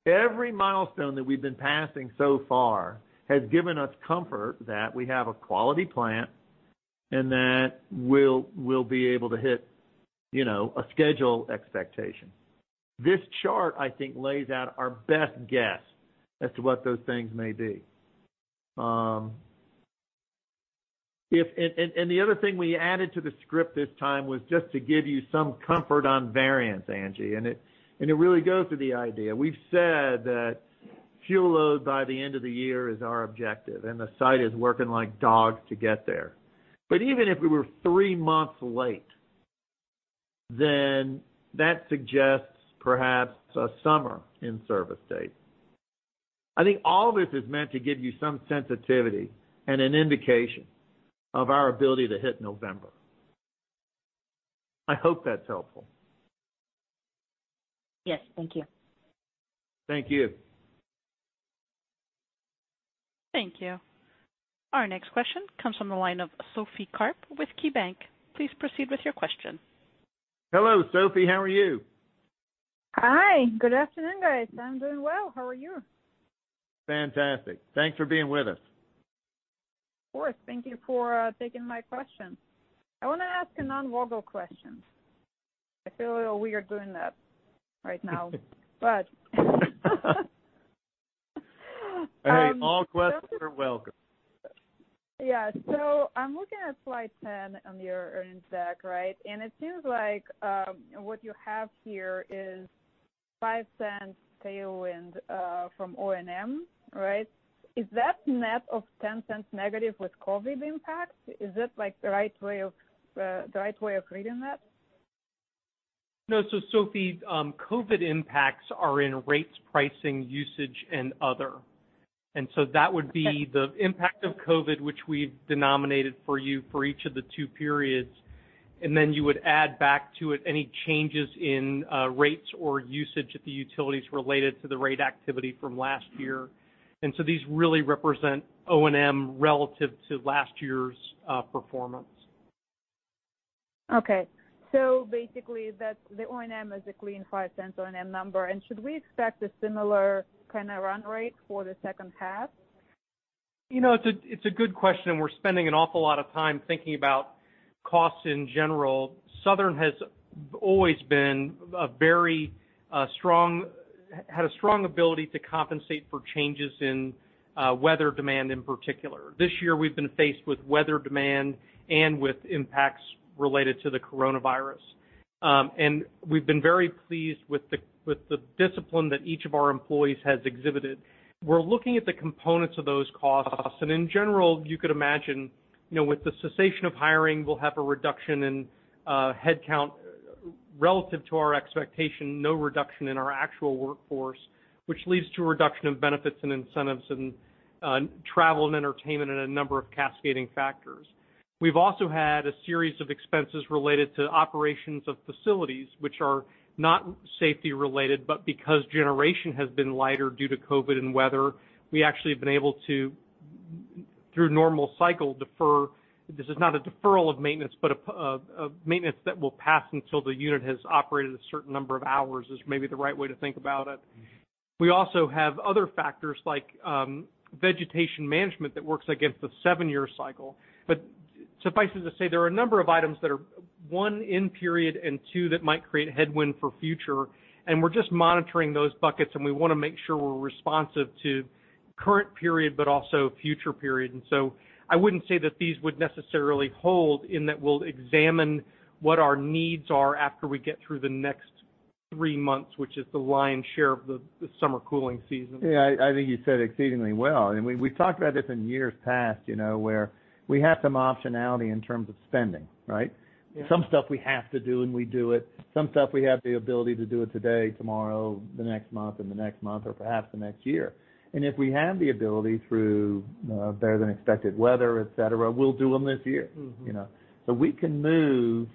[SPEAKER 3] Every milestone that we've been passing so far has given us comfort that we have a quality plant and that we'll be able to hit a schedule expectation. This chart, I think, lays out our best guess as to what those things may be. The other thing we added to the script this time was just to give you some comfort on variance, Angie, and it really goes to the idea. We've said that fuel load by the end of the year is our objective, and the site is working like dogs to get there. Even if we were three months late. That suggests perhaps a summer in-service date. I think all this is meant to give you some sensitivity and an indication of our ability to hit November. I hope that's helpful.
[SPEAKER 8] Yes. Thank you.
[SPEAKER 3] Thank you.
[SPEAKER 1] Thank you. Our next question comes from the line of Sophie Karp with KeyBanc. Please proceed with your question.
[SPEAKER 3] Hello, Sophie. How are you?
[SPEAKER 9] Hi. Good afternoon, guys. I'm doing well. How are you?
[SPEAKER 3] Fantastic. Thanks for being with us.
[SPEAKER 9] Of course. Thank you for taking my question. I want to ask a non-Vogtle question. I feel a little weird doing that right now.
[SPEAKER 3] Hey, all questions are welcome.
[SPEAKER 9] Yeah. I'm looking at slide 10 on your earnings deck, right? It seems like what you have here is $0.05 tailwind from O&M, right? Is that net of $0.10 negative with COVID impact? Is that the right way of reading that?
[SPEAKER 4] No. Sophie, COVID impacts are in rates, pricing, usage, and other. That would be the impact of COVID, which we've denominated for you for each of the two periods, and then you would add back to it any changes in rates or usage at the utilities related to the rate activity from last year. These really represent O&M relative to last year's performance.
[SPEAKER 9] Basically, the O&M is a clean $0.05 O&M number. Should we expect a similar kind of run rate for the second half?
[SPEAKER 4] It's a good question, and we're spending an awful lot of time thinking about costs in general. Southern has always had a very strong ability to compensate for changes in weather demand in particular. This year, we've been faced with weather demand and with impacts related to the coronavirus. We've been very pleased with the discipline that each of our employees has exhibited. We're looking at the components of those costs, and in general, you could imagine, with the cessation of hiring, we'll have a reduction in headcount relative to our expectation, no reduction in our actual workforce, which leads to a reduction of benefits and incentives and travel and entertainment, and a number of cascading factors. We've also had a series of expenses related to operations of facilities, which are not safety related, but because generation has been lighter due to COVID and weather, we actually have been able to, through normal cycle, defer. This is not a deferral of maintenance, but a maintenance that will pass until the unit has operated a certain number of hours is maybe the right way to think about it. We also have other factors like vegetation management that works against a seven-year cycle. Suffice it to say, there are a number of items that are, one, in period, and two, that might create a headwind for future, and we're just monitoring those buckets, and we want to make sure we're responsive to current period, but also future periods. I wouldn't say that these would necessarily hold in that we'll examine what our needs are after we get through the next three months, which is the lion's share of the summer cooling season.
[SPEAKER 3] Yeah, I think you said exceedingly well. I mean, we've talked about this in years past, where we have some optionality in terms of spending, right?
[SPEAKER 4] Yeah.
[SPEAKER 3] Some stuff we have to do, and we do it. Some stuff, we have the ability to do it today, tomorrow, the next month and the next month or perhaps the next year. If we have the ability through better-than-expected weather, et cetera, we'll do them this year. We can move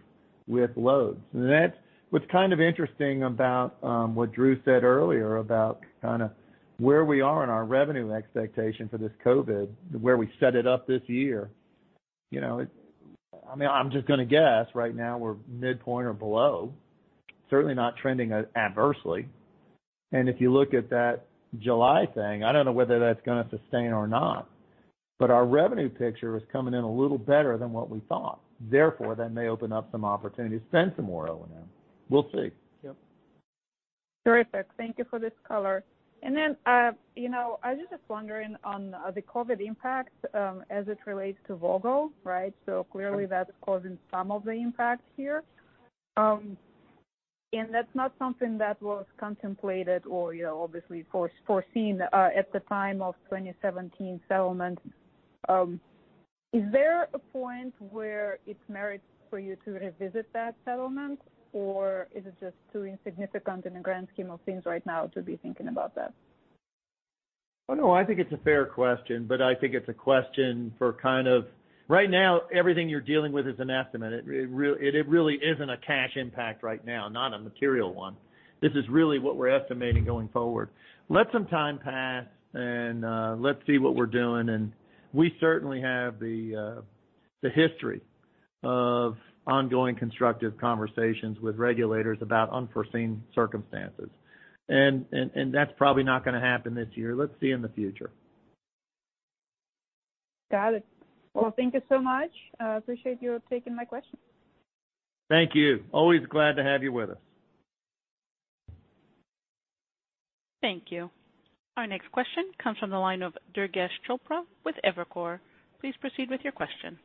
[SPEAKER 3] with loads. That's what's kind of interesting about what Drew said earlier about where we are in our revenue expectation for this COVID, where we set it up this year. I mean, I'm just going to guess right now we're midpoint or below. Certainly not trending adversely. If you look at that July thing, I don't know whether that's going to sustain or not. Our revenue picture is coming in a little better than what we thought. Therefore, that may open up some opportunities to spend some more O&M. We'll see.
[SPEAKER 4] Yep.
[SPEAKER 9] Terrific. Thank you for this color. I was just wondering on the COVID impact as it relates to Vogtle, right? Clearly, that's causing some of the impact here. That's not something that was contemplated or obviously foreseen at the time of 2017 settlement. Is there a point where it merits for you to revisit that settlement, or is it just too insignificant in the grand scheme of things right now to be thinking about that?
[SPEAKER 3] Oh, no, I think it's a fair question, but I think it's a question for kind of, right now, everything you're dealing with is an estimate. It really isn't a cash impact right now, not a material one. This is really what we're estimating going forward. Let some time pass, and let's see what we're doing, and we certainly have the history of ongoing constructive conversations with regulators about unforeseen circumstances. That's probably not going to happen this year. Let's see in the future.
[SPEAKER 9] Got it. Thank you so much. I appreciate you taking my question.
[SPEAKER 3] Thank you. Always glad to have you with us.
[SPEAKER 1] Thank you. Our next question comes from the line of Durgesh Chopra with Evercore. Please proceed with your question.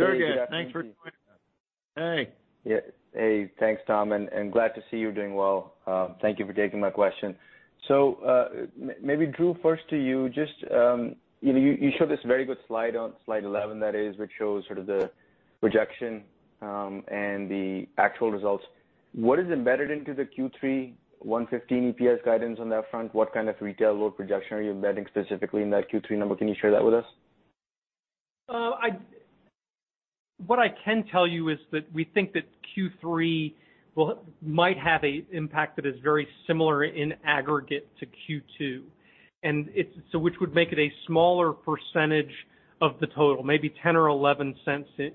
[SPEAKER 3] Durgesh, thanks for joining us. Hey.
[SPEAKER 10] Yeah. Hey. Thanks, Tom, and glad to see you're doing well. Thank you for taking my question. Maybe Drew, first to you. You showed this very good slide on slide 11 that is, which shows sort of the projection and the actual results. What is embedded into the Q3 $1.15 EPS guidance on that front? What kind of retail load projection are you embedding specifically in that Q3 number? Can you share that with us?
[SPEAKER 4] What I can tell you is that we think that Q3 might have an impact that is very similar in aggregate to Q2. Which would make it a smaller percentage of the total, maybe $0.10 or $0.11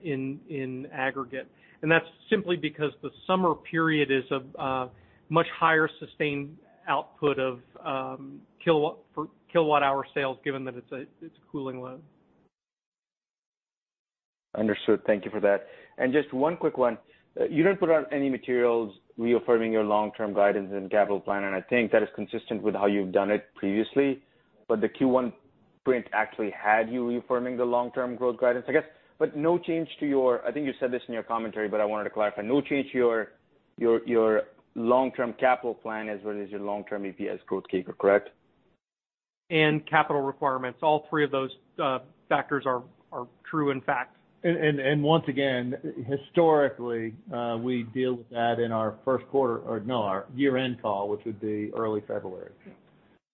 [SPEAKER 4] in aggregate. That's simply because the summer period is a much higher sustained output of kilowatt-hour sales, given that it's a cooling load.
[SPEAKER 10] Understood. Thank you for that. Just one quick one. You didn't put out any materials reaffirming your long-term guidance and capital plan, and I think that is consistent with how you've done it previously. The Q1 print actually had you reaffirming the long-term growth guidance, I guess. I think you said this in your commentary, but I wanted to clarify, no change to your long-term capital plan as well as your long-term EPS growth CAGR, correct?
[SPEAKER 4] Capital requirements, all three of those factors are true in fact.
[SPEAKER 3] Once again, historically, we deal with that in our year-end call, which would be early February.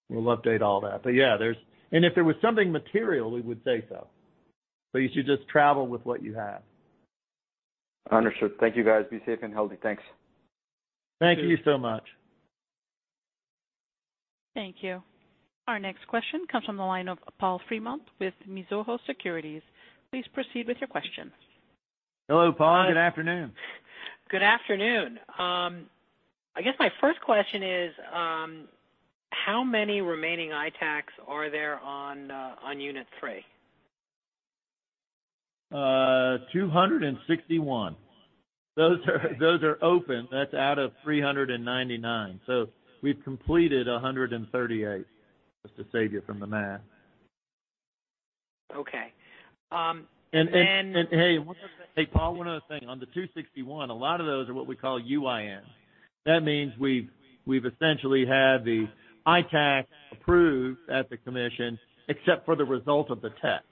[SPEAKER 3] We'll update all that. Yeah. If there was something material, we would say so. You should just travel with what you have.
[SPEAKER 10] Understood. Thank you, guys. Be safe and healthy. Thanks.
[SPEAKER 3] Thank you so much.
[SPEAKER 1] Thank you. Our next question comes from the line of Paul Fremont with Mizuho Securities. Please proceed with your question.
[SPEAKER 3] Hello, Paul. Good afternoon.
[SPEAKER 11] Good afternoon. I guess my first question is, how many remaining ITAACs are there on Unit 3?
[SPEAKER 3] 261. Those are open. That's out of 399. We've completed 138, just to save you from the math.
[SPEAKER 11] Okay.
[SPEAKER 3] Hey, Paul, one other thing. On the 261, a lot of those are what we call UIN. That means we've essentially had the ITAAC approved at the commission, except for the result of the test.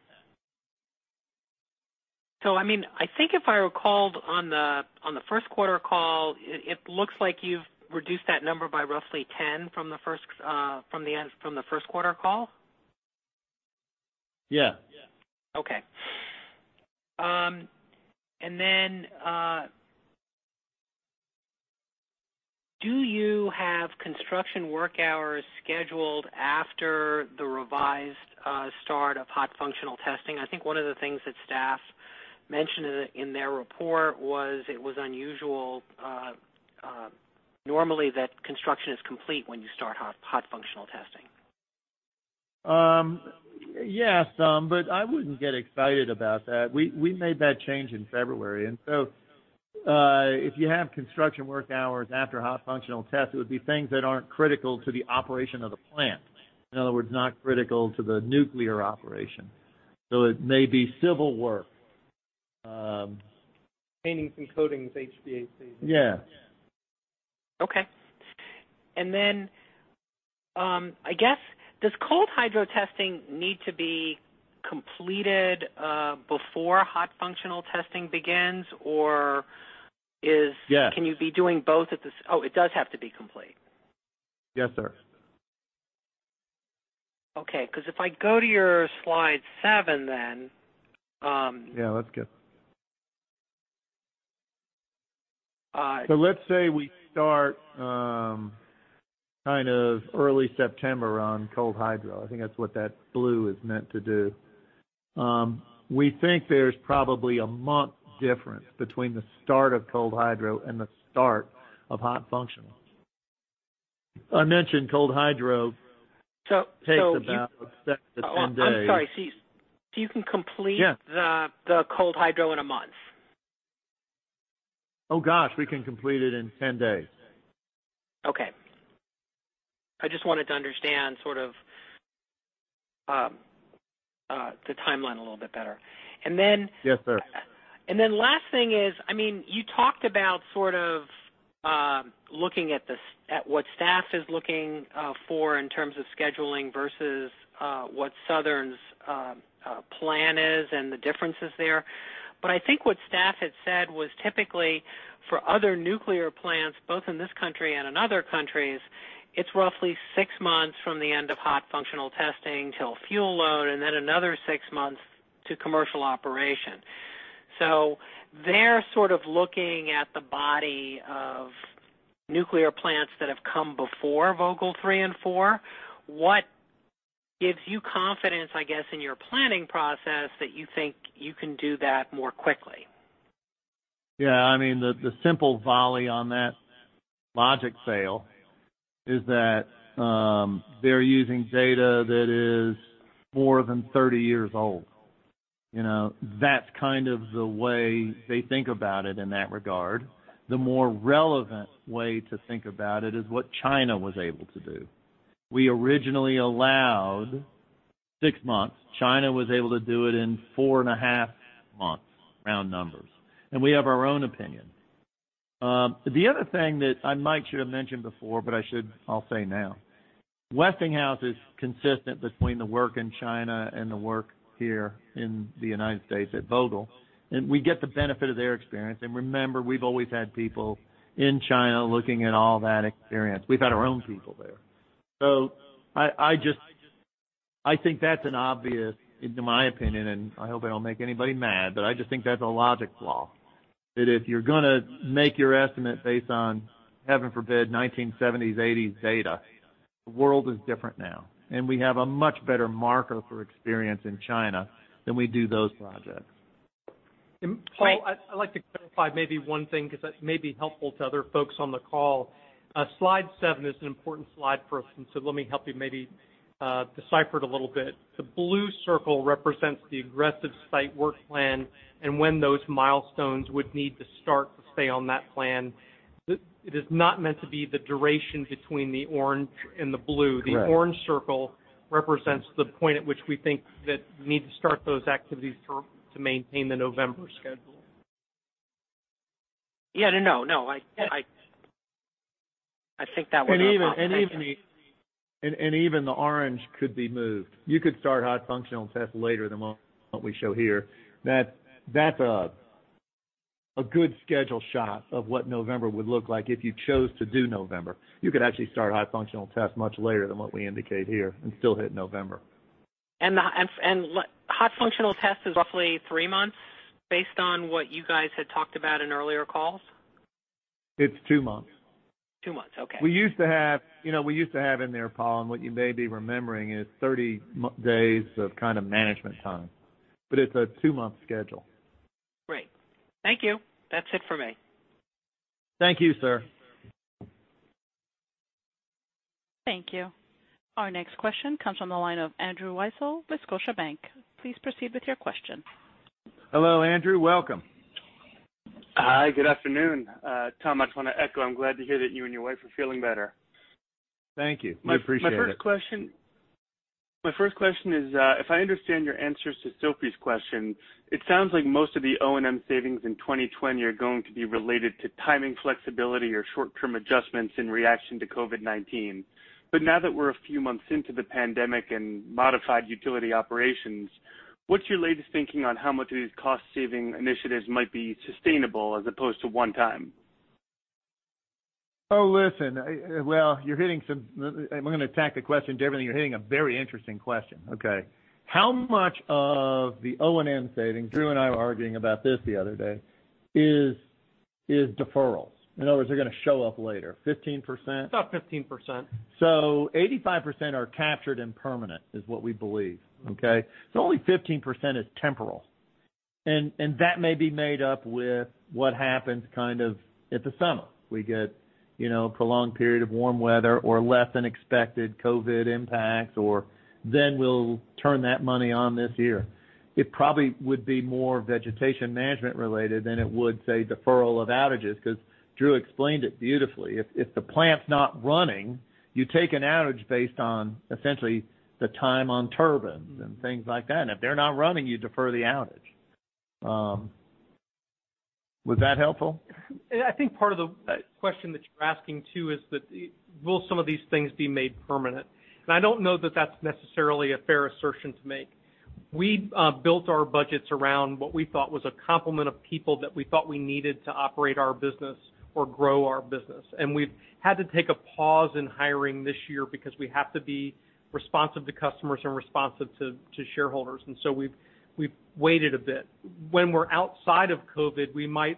[SPEAKER 11] I think if I recalled on the first quarter call, it looks like you've reduced that number by roughly 10 from the first quarter call?
[SPEAKER 3] Yeah.
[SPEAKER 11] Okay. Do you have construction work hours scheduled after the revised start of hot functional testing? I think one of the things that staff mentioned in their report was it was unusual, normally that construction is complete when you start hot functional testing.
[SPEAKER 3] I wouldn't get excited about that. We made that change in February. If you have construction work hours after hot functional test, it would be things that aren't critical to the operation of the plant, in other words, not critical to the nuclear operation. It may be civil work.
[SPEAKER 4] Paintings and coatings, HVAC.
[SPEAKER 3] Yeah.
[SPEAKER 11] Okay. I guess, does cold hydrostatic testing need to be completed before hot functional testing begins?
[SPEAKER 3] Yes.
[SPEAKER 11] Can you be doing both? Oh, it does have to be complete.
[SPEAKER 3] Yes, sir.
[SPEAKER 11] Okay, if I go to your slide seven then.
[SPEAKER 3] Yeah, that's good. Let's say we start kind of early September on cold hydro. I think that's what that blue is meant to do. We think there's probably a month difference between the start of cold hydro and the start of hot functional. I mentioned cold hydro takes about 6 to 10 days.
[SPEAKER 11] I'm sorry.
[SPEAKER 3] Yeah.
[SPEAKER 11] The cold hydro in a month?
[SPEAKER 3] Oh, gosh, we can complete it in 10 days.
[SPEAKER 11] Okay. I just wanted to understand sort of the timeline a little bit better.
[SPEAKER 3] Yes, sir.
[SPEAKER 11] Last thing is, you talked about sort of looking at what staff is looking for in terms of scheduling versus what Southern's plan is and the differences there. I think what staff had said was typically for other nuclear plants, both in this country and in other countries, it's roughly six months from the end of hot functional testing till fuel load and then another six months to commercial operation. They're sort of looking at the body of nuclear plants that have come before Vogtle 3 and 4. What gives you confidence, I guess, in your planning process that you think you can do that more quickly?
[SPEAKER 3] Yeah, the simple volley on that logic fail is that they're using data that is more than 30 years old. That's kind of the way they think about it in that regard. The more relevant way to think about it is what China was able to do. We originally allowed six months. China was able to do it in four and a half months, round numbers. We have our own opinion. The other thing that Mike should've mentioned before, but I'll say now, Westinghouse is consistent between the work in China and the work here in the U.S. at Vogtle, and we get the benefit of their experience. Remember, we've always had people in China looking at all that experience. We've had our own people there. I think that's an obvious, in my opinion, and I hope I don't make anybody mad, but I just think that's a logic flaw. That if you're going to make your estimate based on, heaven forbid, 1970s, 1980s data, the world is different now, and we have a much better marker for experience in China than we do those projects.
[SPEAKER 4] Paul, I'd like to clarify maybe one thing, because that may be helpful to other folks on the call. Slide seven is an important slide for us. Let me help you maybe decipher it a little bit. The blue circle represents the aggressive site work plan and when those milestones would need to start to stay on that plan. It is not meant to be the duration between the orange and the blue.
[SPEAKER 3] Correct.
[SPEAKER 4] The orange circle represents the point at which we think that we need to start those activities to maintain the November schedule.
[SPEAKER 11] Yeah. No.
[SPEAKER 3] Even the orange could be moved. You could start hot functional tests later than what we show here. That's a good schedule shot of what November would look like if you chose to do November. You could actually start hot functional tests much later than what we indicate here and still hit November.
[SPEAKER 11] Hot functional tests is roughly three months based on what you guys had talked about in earlier calls?
[SPEAKER 3] It's two months.
[SPEAKER 11] Two months. Okay.
[SPEAKER 3] We used to have in there, Paul, and what you may be remembering is 30 days of kind of management time, but it's a two-month schedule.
[SPEAKER 11] Great. Thank you. That's it for me.
[SPEAKER 3] Thank you, sir.
[SPEAKER 1] Thank you. Our next question comes on the line of Andrew Weisel with Scotiabank. Please proceed with your question.
[SPEAKER 3] Hello, Andrew. Welcome.
[SPEAKER 12] Hi. Good afternoon. Tom, I just want to echo I'm glad to hear that you and your wife are feeling better.
[SPEAKER 3] Thank you. We appreciate it.
[SPEAKER 12] My first question is, if I understand your answers to Sophie's question, it sounds like most of the O&M savings in 2020 are going to be related to timing flexibility or short-term adjustments in reaction to COVID-19. Now that we're a few months into the pandemic and modified utility operations, what's your latest thinking on how much these cost-saving initiatives might be sustainable as opposed to one time?
[SPEAKER 3] Listen. Well, I'm going to tack the question to everything. You're hitting a very interesting question. Okay. How much of the O&M savings, Drew and I were arguing about this the other day, is deferrals? In other words, they're going to show up later. 15%?
[SPEAKER 4] About 15%.
[SPEAKER 3] 85% are captured and permanent is what we believe. Okay? Only 15% is temporal. That may be made up with what happens kind of at the summer. We get a prolonged period of warm weather or less than expected COVID impact. We'll turn that money on this year. It probably would be more vegetation-management related than it would, say, deferral of outages, because Drew explained it beautifully. If the plant's not running, you take an outage based on essentially the time on turbines and things like that. If they're not running, you defer the outage. Was that helpful?
[SPEAKER 4] I think part of the question that you're asking too is that will some of these things be made permanent? I don't know that that's necessarily a fair assertion to make. We built our budgets around what we thought was a complement of people that we thought we needed to operate our business or grow our business. We've had to take a pause in hiring this year because we have to be responsive to customers and responsive to shareholders. We've waited a bit. When we're outside of COVID, we might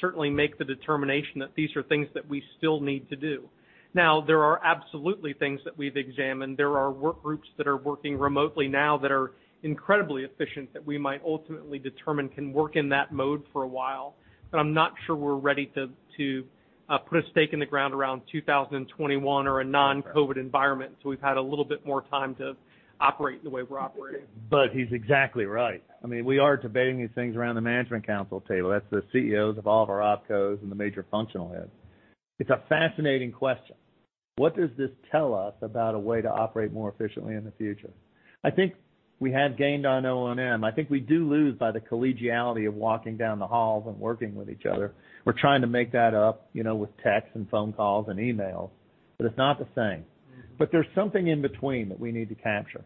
[SPEAKER 4] certainly make the determination that these are things that we still need to do. There are absolutely things that we've examined. There are work groups that are working remotely now that are incredibly efficient that we might ultimately determine can work in that mode for a while. I'm not sure we're ready to put a stake in the ground around 2021 or a non-COVID environment. We've had a little bit more time to operate the way we're operating.
[SPEAKER 3] He's exactly right. We are debating these things around the management council table. That's the CEOs of all of our opcos and the major functional heads. It's a fascinating question. What does this tell us about a way to operate more efficiently in the future? I think we have gained on O&M. I think we do lose by the collegiality of walking down the halls and working with each other. We're trying to make that up with texts and phone calls and emails, but it's not the same. There's something in between that we need to capture.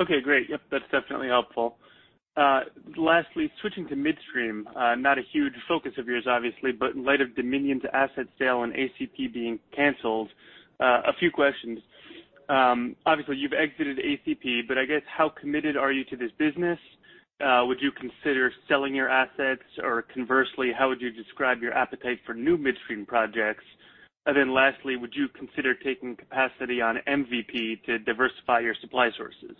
[SPEAKER 12] Okay, great. Yep, that's definitely helpful. Lastly, switching to midstream. Not a huge focus of yours, obviously, but in light of Dominion's asset sale and ACP being canceled, a few questions. Obviously, you've exited ACP, but I guess how committed are you to this business? Would you consider selling your assets? Conversely, how would you describe your appetite for new midstream projects? Then lastly, would you consider taking capacity on MVP to diversify your supply sources?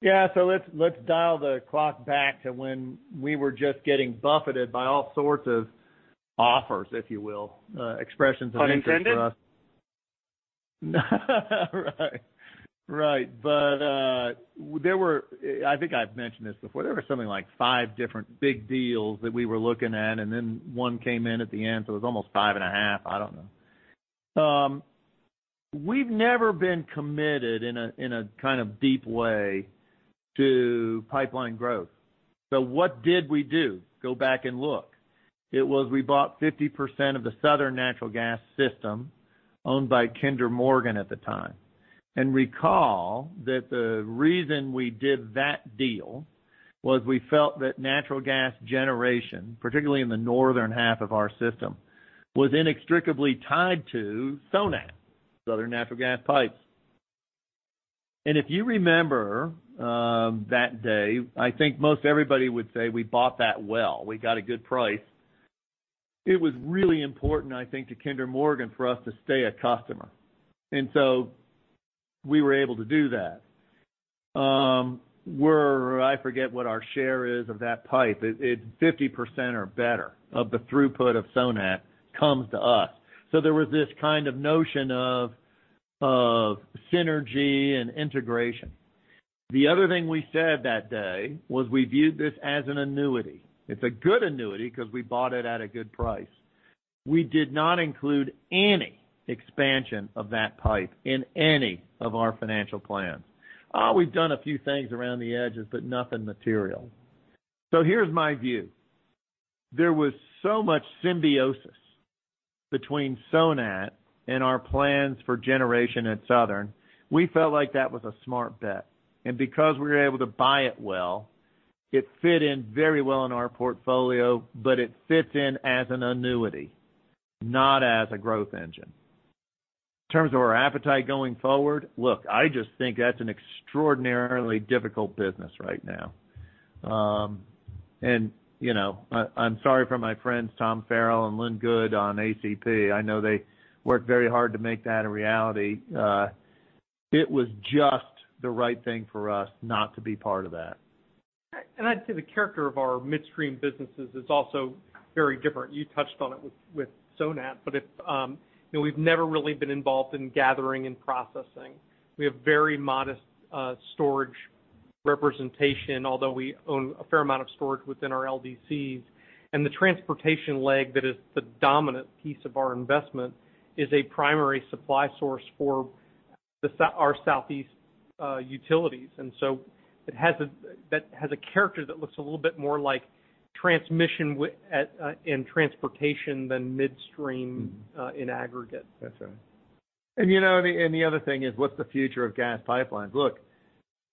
[SPEAKER 3] Yeah. Let's dial the clock back to when we were just getting buffeted by all sorts of offers, if you will, expressions of interest for us.
[SPEAKER 12] Unintended?
[SPEAKER 3] Right. I think I've mentioned this before. There were something like five different big deals that we were looking at, and then one came in at the end, so it was almost five and a half. I don't know. We've never been committed in a kind of deep way to pipeline growth. What did we do? Go back and look. It was, we bought 50% of the Southern Natural Gas system owned by Kinder Morgan at the time. Recall that the reason we did that deal was we felt that natural gas generation, particularly in the northern half of our system, was inextricably tied to SONAT, Southern Natural Gas pipes. If you remember that day, I think most everybody would say we bought that well. We got a good price. It was really important, I think, to Kinder Morgan, for us to stay a customer. We were able to do that. Where I forget what our share is of that pipe. It's 50% or better of the throughput of SONAT comes to us. There was this kind of notion of synergy and integration. The other thing we said that day was we viewed this as an annuity. It's a good annuity because we bought it at a good price. We did not include any expansion of that pipe in any of our financial plans. We've done a few things around the edges, but nothing material. Here's my view. There was so much symbiosis between SONAT and our plans for generation at Southern, we felt like that was a smart bet. Because we were able to buy it well, it fit in very well in our portfolio, but it fits in as an annuity, not as a growth engine. In terms of our appetite going forward, look, I just think that's an extraordinarily difficult business right now. I'm sorry for my friends Tom Farrell and Lynn Good on ACP. I know they worked very hard to make that a reality. It was just the right thing for us not to be part of that.
[SPEAKER 4] I'd say the character of our midstream businesses is also very different. You touched on it with SONAT, but we've never really been involved in gathering and processing. We have very modest storage representation, although we own a fair amount of storage within our LDCs. The transportation leg that is the dominant piece of our investment is a primary supply source for our southeast utilities. That has a character that looks a little bit more like transmission and transportation than midstream in aggregate.
[SPEAKER 3] That's right. The other thing is, what's the future of gas pipelines? Look,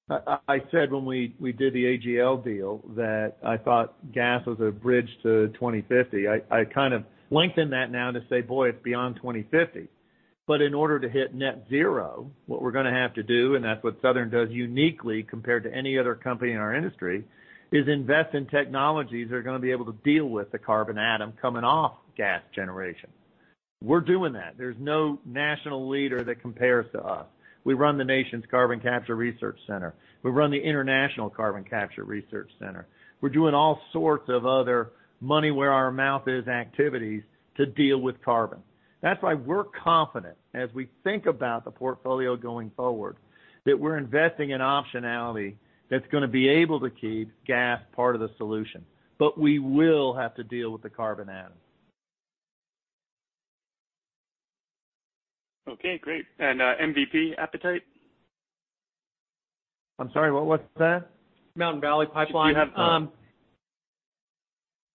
[SPEAKER 3] I said when we did the AGL deal that I thought gas was a bridge to 2050. I kind of lengthen that now to say, boy, it's beyond 2050. In order to hit net zero, what we're going to have to do, and that's what Southern does uniquely compared to any other company in our industry, is invest in technologies that are going to be able to deal with the carbon atom coming off gas generation. We're doing that. There's no national leader that compares to us. We run the National Carbon Capture Center. We run the International Carbon Capture Research Center. We're doing all sorts of other money where our mouth is activities to deal with carbon. That's why we're confident as we think about the portfolio going forward, that we're investing in optionality that's going to be able to keep gas part of the solution. We will have to deal with the carbon atom.
[SPEAKER 12] Okay, great. MVP appetite?
[SPEAKER 3] I'm sorry, what's that?
[SPEAKER 12] Mountain Valley Pipeline.
[SPEAKER 3] Do you have?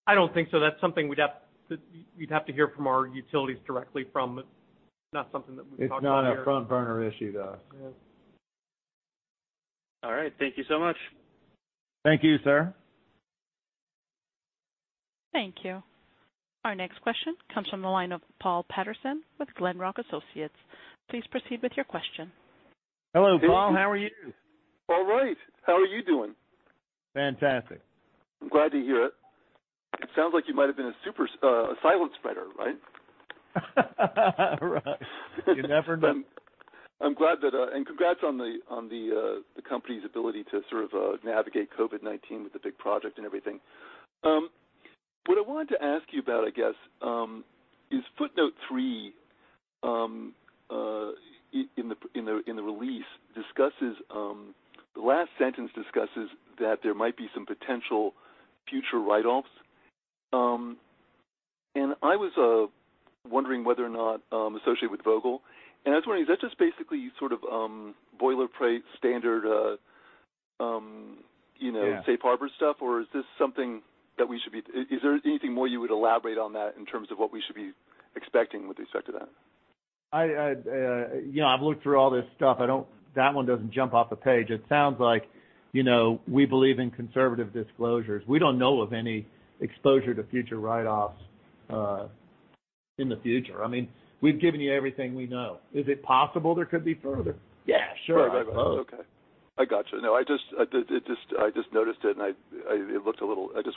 [SPEAKER 4] I don't think so. That's something you'd have to hear from our utilities directly from. It's not something that we've talked about here.
[SPEAKER 3] It's not a front-burner issue, though.
[SPEAKER 4] Yes.
[SPEAKER 12] All right. Thank you so much.
[SPEAKER 3] Thank you, sir.
[SPEAKER 1] Thank you. Our next question comes from the line of Paul Patterson with Glenrock Associates. Please proceed with your question.
[SPEAKER 3] Hello, Paul. How are you?
[SPEAKER 13] All right. How are you doing?
[SPEAKER 3] Fantastic.
[SPEAKER 13] I'm glad to hear it. It sounds like you might have been a strong silent type, right?
[SPEAKER 3] Right. You never know.
[SPEAKER 13] Congrats on the company's ability to sort of navigate COVID-19 with the big project and everything. What I wanted to ask you about, I guess, is footnote three in the release. The last sentence discusses that there might be some potential future write-offs. I was wondering whether or not, associated with Vogtle, is that just basically sort of boilerplate standard.
[SPEAKER 3] Yeah.
[SPEAKER 13] Safe harbor stuff, or Is there anything more you would elaborate on that in terms of what we should be expecting with respect to that?
[SPEAKER 3] I've looked through all this stuff. That one doesn't jump off the page. It sounds like we believe in conservative disclosures. We don't know of any exposure to future write-offs in the future. I mean, we've given you everything we know. Is it possible there could be further? Yeah, sure. I suppose.
[SPEAKER 13] Okay. I got you. No, I just noticed it. I just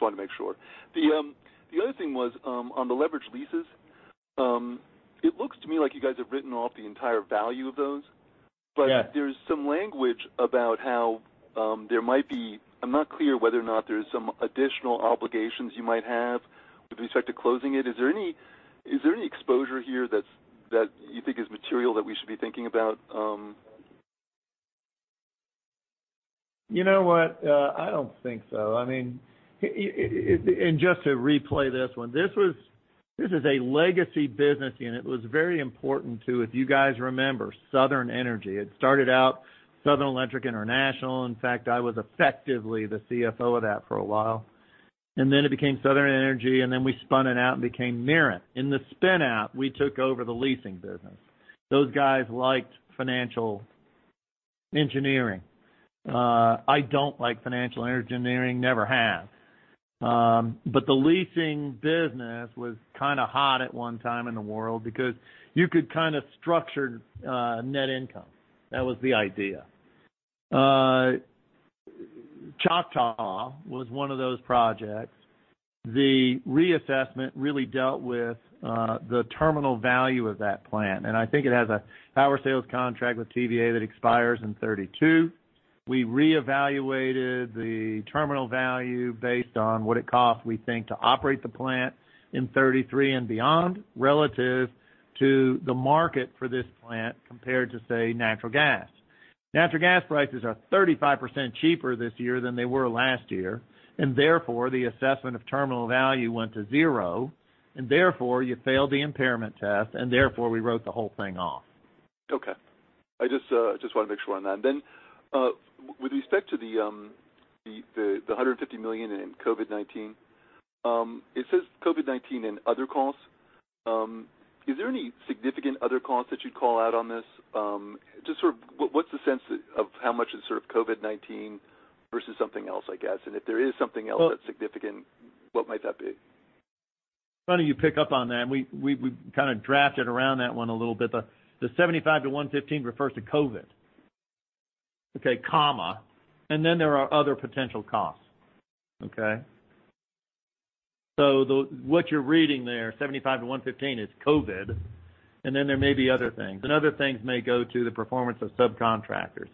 [SPEAKER 13] wanted to make sure. The other thing was on the leveraged leases. It looks to me like you guys have written off the entire value of those.
[SPEAKER 3] Yeah.
[SPEAKER 13] There's some language about how I'm not clear whether or not there's some additional obligations you might have with respect to closing it. Is there any exposure here that you think is material that we should be thinking about?
[SPEAKER 3] You know what? I don't think so. Just to replay this one, this is a legacy business, and it was very important to, if you guys remember, Southern Energy. It started out Southern Electric International. In fact, I was effectively the CFO of that for a while. Then it became Southern Energy, and then we spun it out and became Mirant. In the spin-out, we took over the leasing business. Those guys liked financial engineering. I don't like financial engineering, I never have. The leasing business was kind of hot at one time in the world because you could kind of structure net income. That was the idea. Choctaw was one of those projects. The reassessment really dealt with the terminal value of that plant, and I think it has a power sales contract with TVA that expires in 2032. We reevaluated the terminal value based on what it costs, we think, to operate the plant in 2033 and beyond, relative to the market for this plant compared to, say, natural gas. Natural gas prices are 35% cheaper this year than they were last year, and therefore, the assessment of terminal value went to zero, and therefore, you failed the impairment test, and therefore, we wrote the whole thing off.
[SPEAKER 13] Okay. I just want to make sure on that. With respect to the $150 million in COVID-19, it says COVID-19 and other costs. Is there any significant other costs that you'd call out on this? Just sort of what's the sense of how much is sort of COVID-19 versus something else, I guess? If there is something else that's significant, what might that be?
[SPEAKER 3] It's funny you pick up on that, and we kind of drafted around that one a little bit. The $75-$115 refers to COVID. Okay. There are other potential costs. What you're reading there, $75-$115, is COVID. There may be other things, and other things may go to the performance of subcontractors.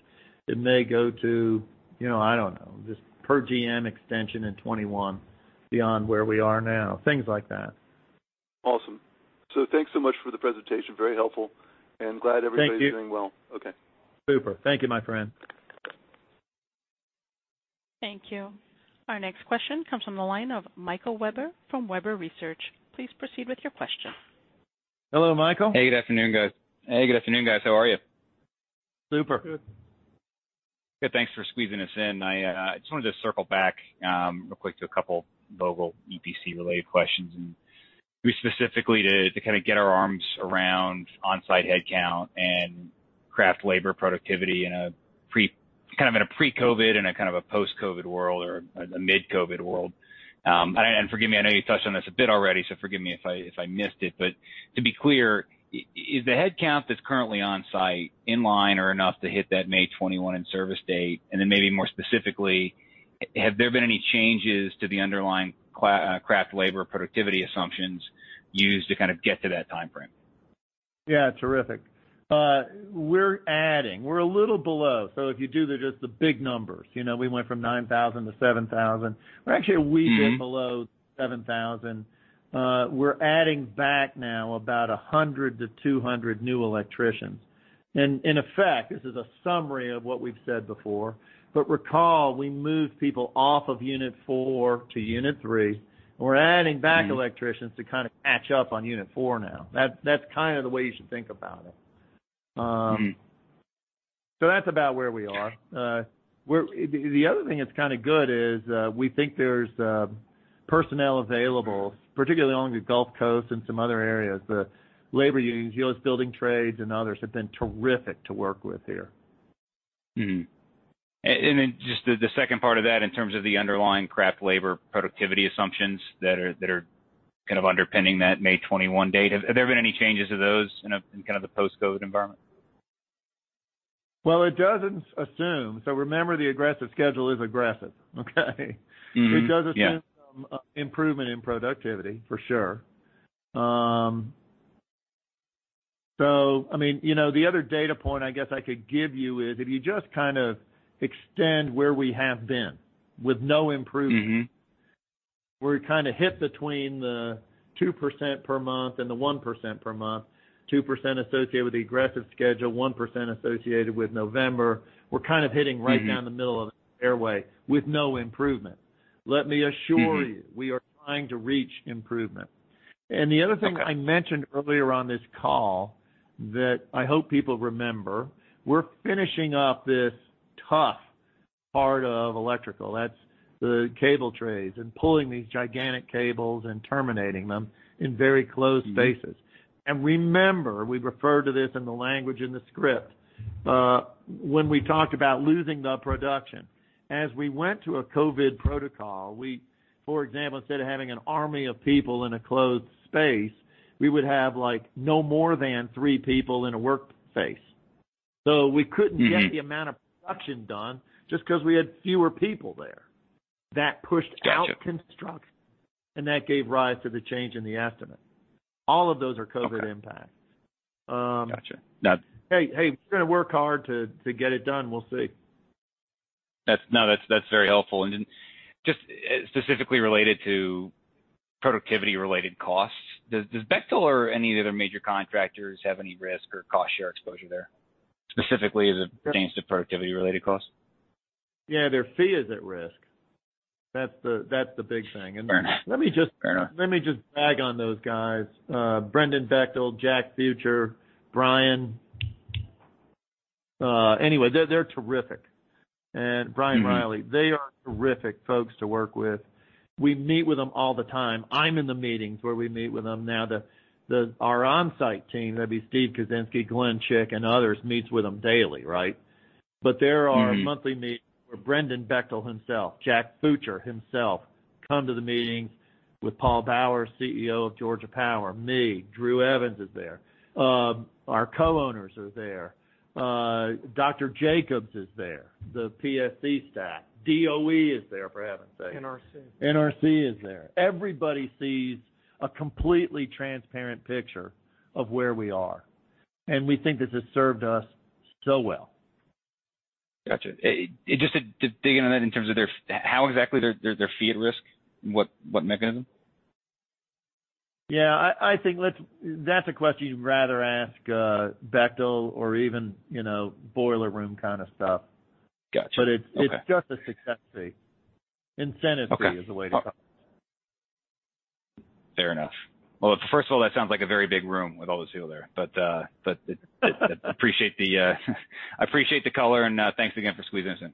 [SPEAKER 3] It may go to, I don't know, this per diem extension in 2021 beyond where we are now. Things like that.
[SPEAKER 13] Awesome. Thanks so much for the presentation. Very helpful, and glad everybody.
[SPEAKER 3] Thank you.
[SPEAKER 13] is doing well. Okay.
[SPEAKER 3] Super. Thank you, my friend.
[SPEAKER 1] Thank you. Our next question comes from the line of Michael Webber from Webber Research. Please proceed with your question.
[SPEAKER 3] Hello, Michael.
[SPEAKER 14] Hey, good afternoon, guys. How are you?
[SPEAKER 3] Super.
[SPEAKER 14] Good. Good. Thanks for squeezing us in. I just wanted to circle back real quick to a couple Vogtle EPC-related questions, and specifically to kind of get our arms around on-site headcount and craft labor productivity in a kind of in a pre-COVID and a kind of a post-COVID world or a mid-COVID world. Forgive me, I know you touched on this a bit already, so forgive me if I missed it. To be clear, is the headcount that's currently on-site in line or enough to hit that May 2021 in-service date? Maybe more specifically, have there been any changes to the underlying craft labor productivity assumptions used to kind of get to that timeframe?
[SPEAKER 3] Yeah, terrific. We're adding. We're a little below. If you do just the big numbers. We went from 9,000 to 7,000. We're actually a wee bit below 7,000. We're adding back now about 100 to 200 new electricians. In effect, this is a summary of what we've said before, but recall, we moved people off of unit four to unit three, and we're adding back electricians to kind of catch up on unit four now. That's kind of the way you should think about it. That's about where we are. The other thing that's kind of good is we think there's personnel available, particularly along the Gulf Coast and some other areas. The labor unions, Building Trades and others, have been terrific to work with here.
[SPEAKER 14] Just the second part of that in terms of the underlying craft labor productivity assumptions that are kind of underpinning that May 2021 date. Have there been any changes to those in kind of the post-COVID environment?
[SPEAKER 3] Well, remember, the aggressive schedule is aggressive. Okay?
[SPEAKER 14] Mm-hmm. Yeah.
[SPEAKER 3] It does assume some improvement in productivity, for sure. The other data point I guess I could give you is if you just kind of extend where we have been with no improvement. We're kind of hit between the 2% per month and the 1% per month. 2% associated with the aggressive schedule, 1% associated with November. We're kind of hitting right down the middle of the fairway with no improvement. Let me assure you, we are trying to reach improvement. The other thing I mentioned earlier on this call that I hope people remember, we're finishing up this tough part of electrical. That's the cable trays and pulling these gigantic cables and terminating them in very closed spaces. Remember, we refer to this in the language in the script. When we talked about losing the production, as we went to a COVID protocol, for example, instead of having an army of people in a closed space, we would have no more than three people in a workspace. We couldn't get the amount of production done just because we had fewer people there. That pushed out construction, and that gave rise to the change in the estimate. All of those are COVID impacts.
[SPEAKER 14] Got you.
[SPEAKER 3] Hey, we're going to work hard to get it done. We'll see.
[SPEAKER 14] No, that's very helpful. Specifically related to activity related-cost does Bechtel or any of the other major contractors have any risk or cost-share exposure there? Specifically as it pertains to productivity-related costs?
[SPEAKER 3] Their fee is at risk. That's the big thing.
[SPEAKER 14] Fair enough.
[SPEAKER 3] Let me just rag on those guys. Brendan Bechtel, Jack Futcher, Brian. Anyway, they're terrific. Brian Reilly. They are terrific folks to work with. We meet with them all the time. I'm in the meetings where we meet with them now. Our on-site team, that'd be Steve Kuczynski, Glen Chick, and others, meets with them daily, right? There are monthly meetings where Brendan Bechtel himself, Jack Futcher himself, come to the meetings with Paul Bowers, CEO of Georgia Power, me, Drew Evans is there. Our co-owners are there. Dr. Jacobs is there. The PSC staff. DOE is there, for heaven's sake.
[SPEAKER 4] NRC.
[SPEAKER 3] NRC is there. Everybody sees a completely transparent picture of where we are. We think this has served us so well.
[SPEAKER 14] Got you. Just to dig in on that in terms of how exactly their fee at risk, and what mechanism?
[SPEAKER 3] Yeah, I think that's a question you'd rather ask Bechtel or even boiler room kind of stuff.
[SPEAKER 14] Got you. Okay.
[SPEAKER 3] It's just a success fee. Incentive fee.
[SPEAKER 14] Okay.
[SPEAKER 3] Is the way to go.
[SPEAKER 14] Fair enough. Well, first of all, that sounds like a very big room with all those people there. I appreciate the color, and thanks again for squeezing us in.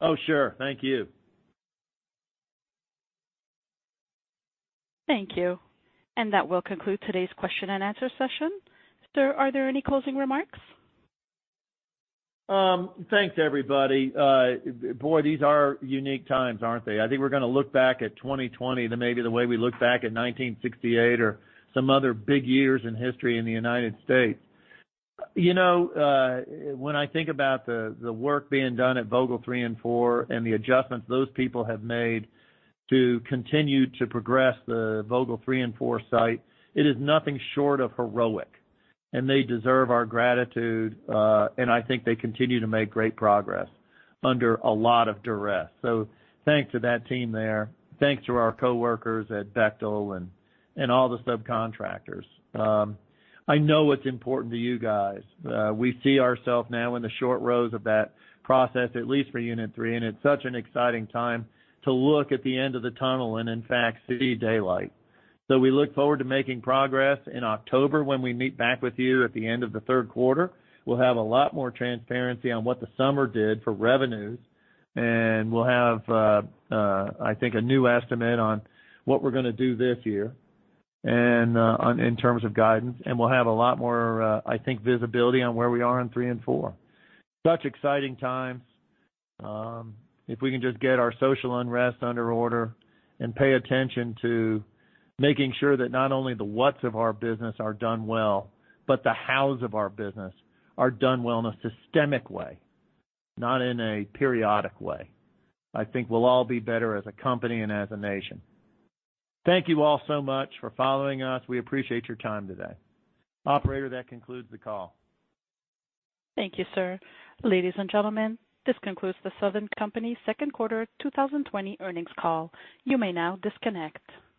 [SPEAKER 3] Oh, sure. Thank you.
[SPEAKER 1] Thank you. That will conclude today's question and answer session. Sir, are there any closing remarks?
[SPEAKER 3] Thanks, everybody. Boy, these are unique times, aren't they? I think we're going to look back at 2020 the way we look back at 1968 or some other big years in history in the U.S. When I think about the work being done at Vogtle 3 and 4 and the adjustments those people have made to continue to progress the Vogtle 3 and 4 site, it is nothing short of heroic, and they deserve our gratitude. I think they continue to make great progress under a lot of duress. Thanks to that team there, thanks to our coworkers at Bechtel and all the subcontractors. I know it's important to you guys. We see ourself now in the short rows of that process, at least for unit 3, and it's such an exciting time to look at the end of the tunnel and in fact, see daylight. We look forward to making progress in October when we meet back with you at the end of the third quarter. We'll have a lot more transparency on what the summer did for revenues, and we'll have I think a new estimate on what we're going to do this year in terms of guidance, and we'll have a lot more I think visibility on where we are in three and four. Such exciting times. If we can just get our social unrest under order and pay attention to making sure that not only the whats of our business are done well, but the hows of our business are done well in a systemic way, not in a periodic way. I think we'll all be better as a company and as a nation. Thank you all so much for following us. We appreciate your time today. Operator, that concludes the call.
[SPEAKER 1] Thank you, sir. Ladies and gentlemen, this concludes The Southern Company second quarter 2020 earnings call. You may now disconnect.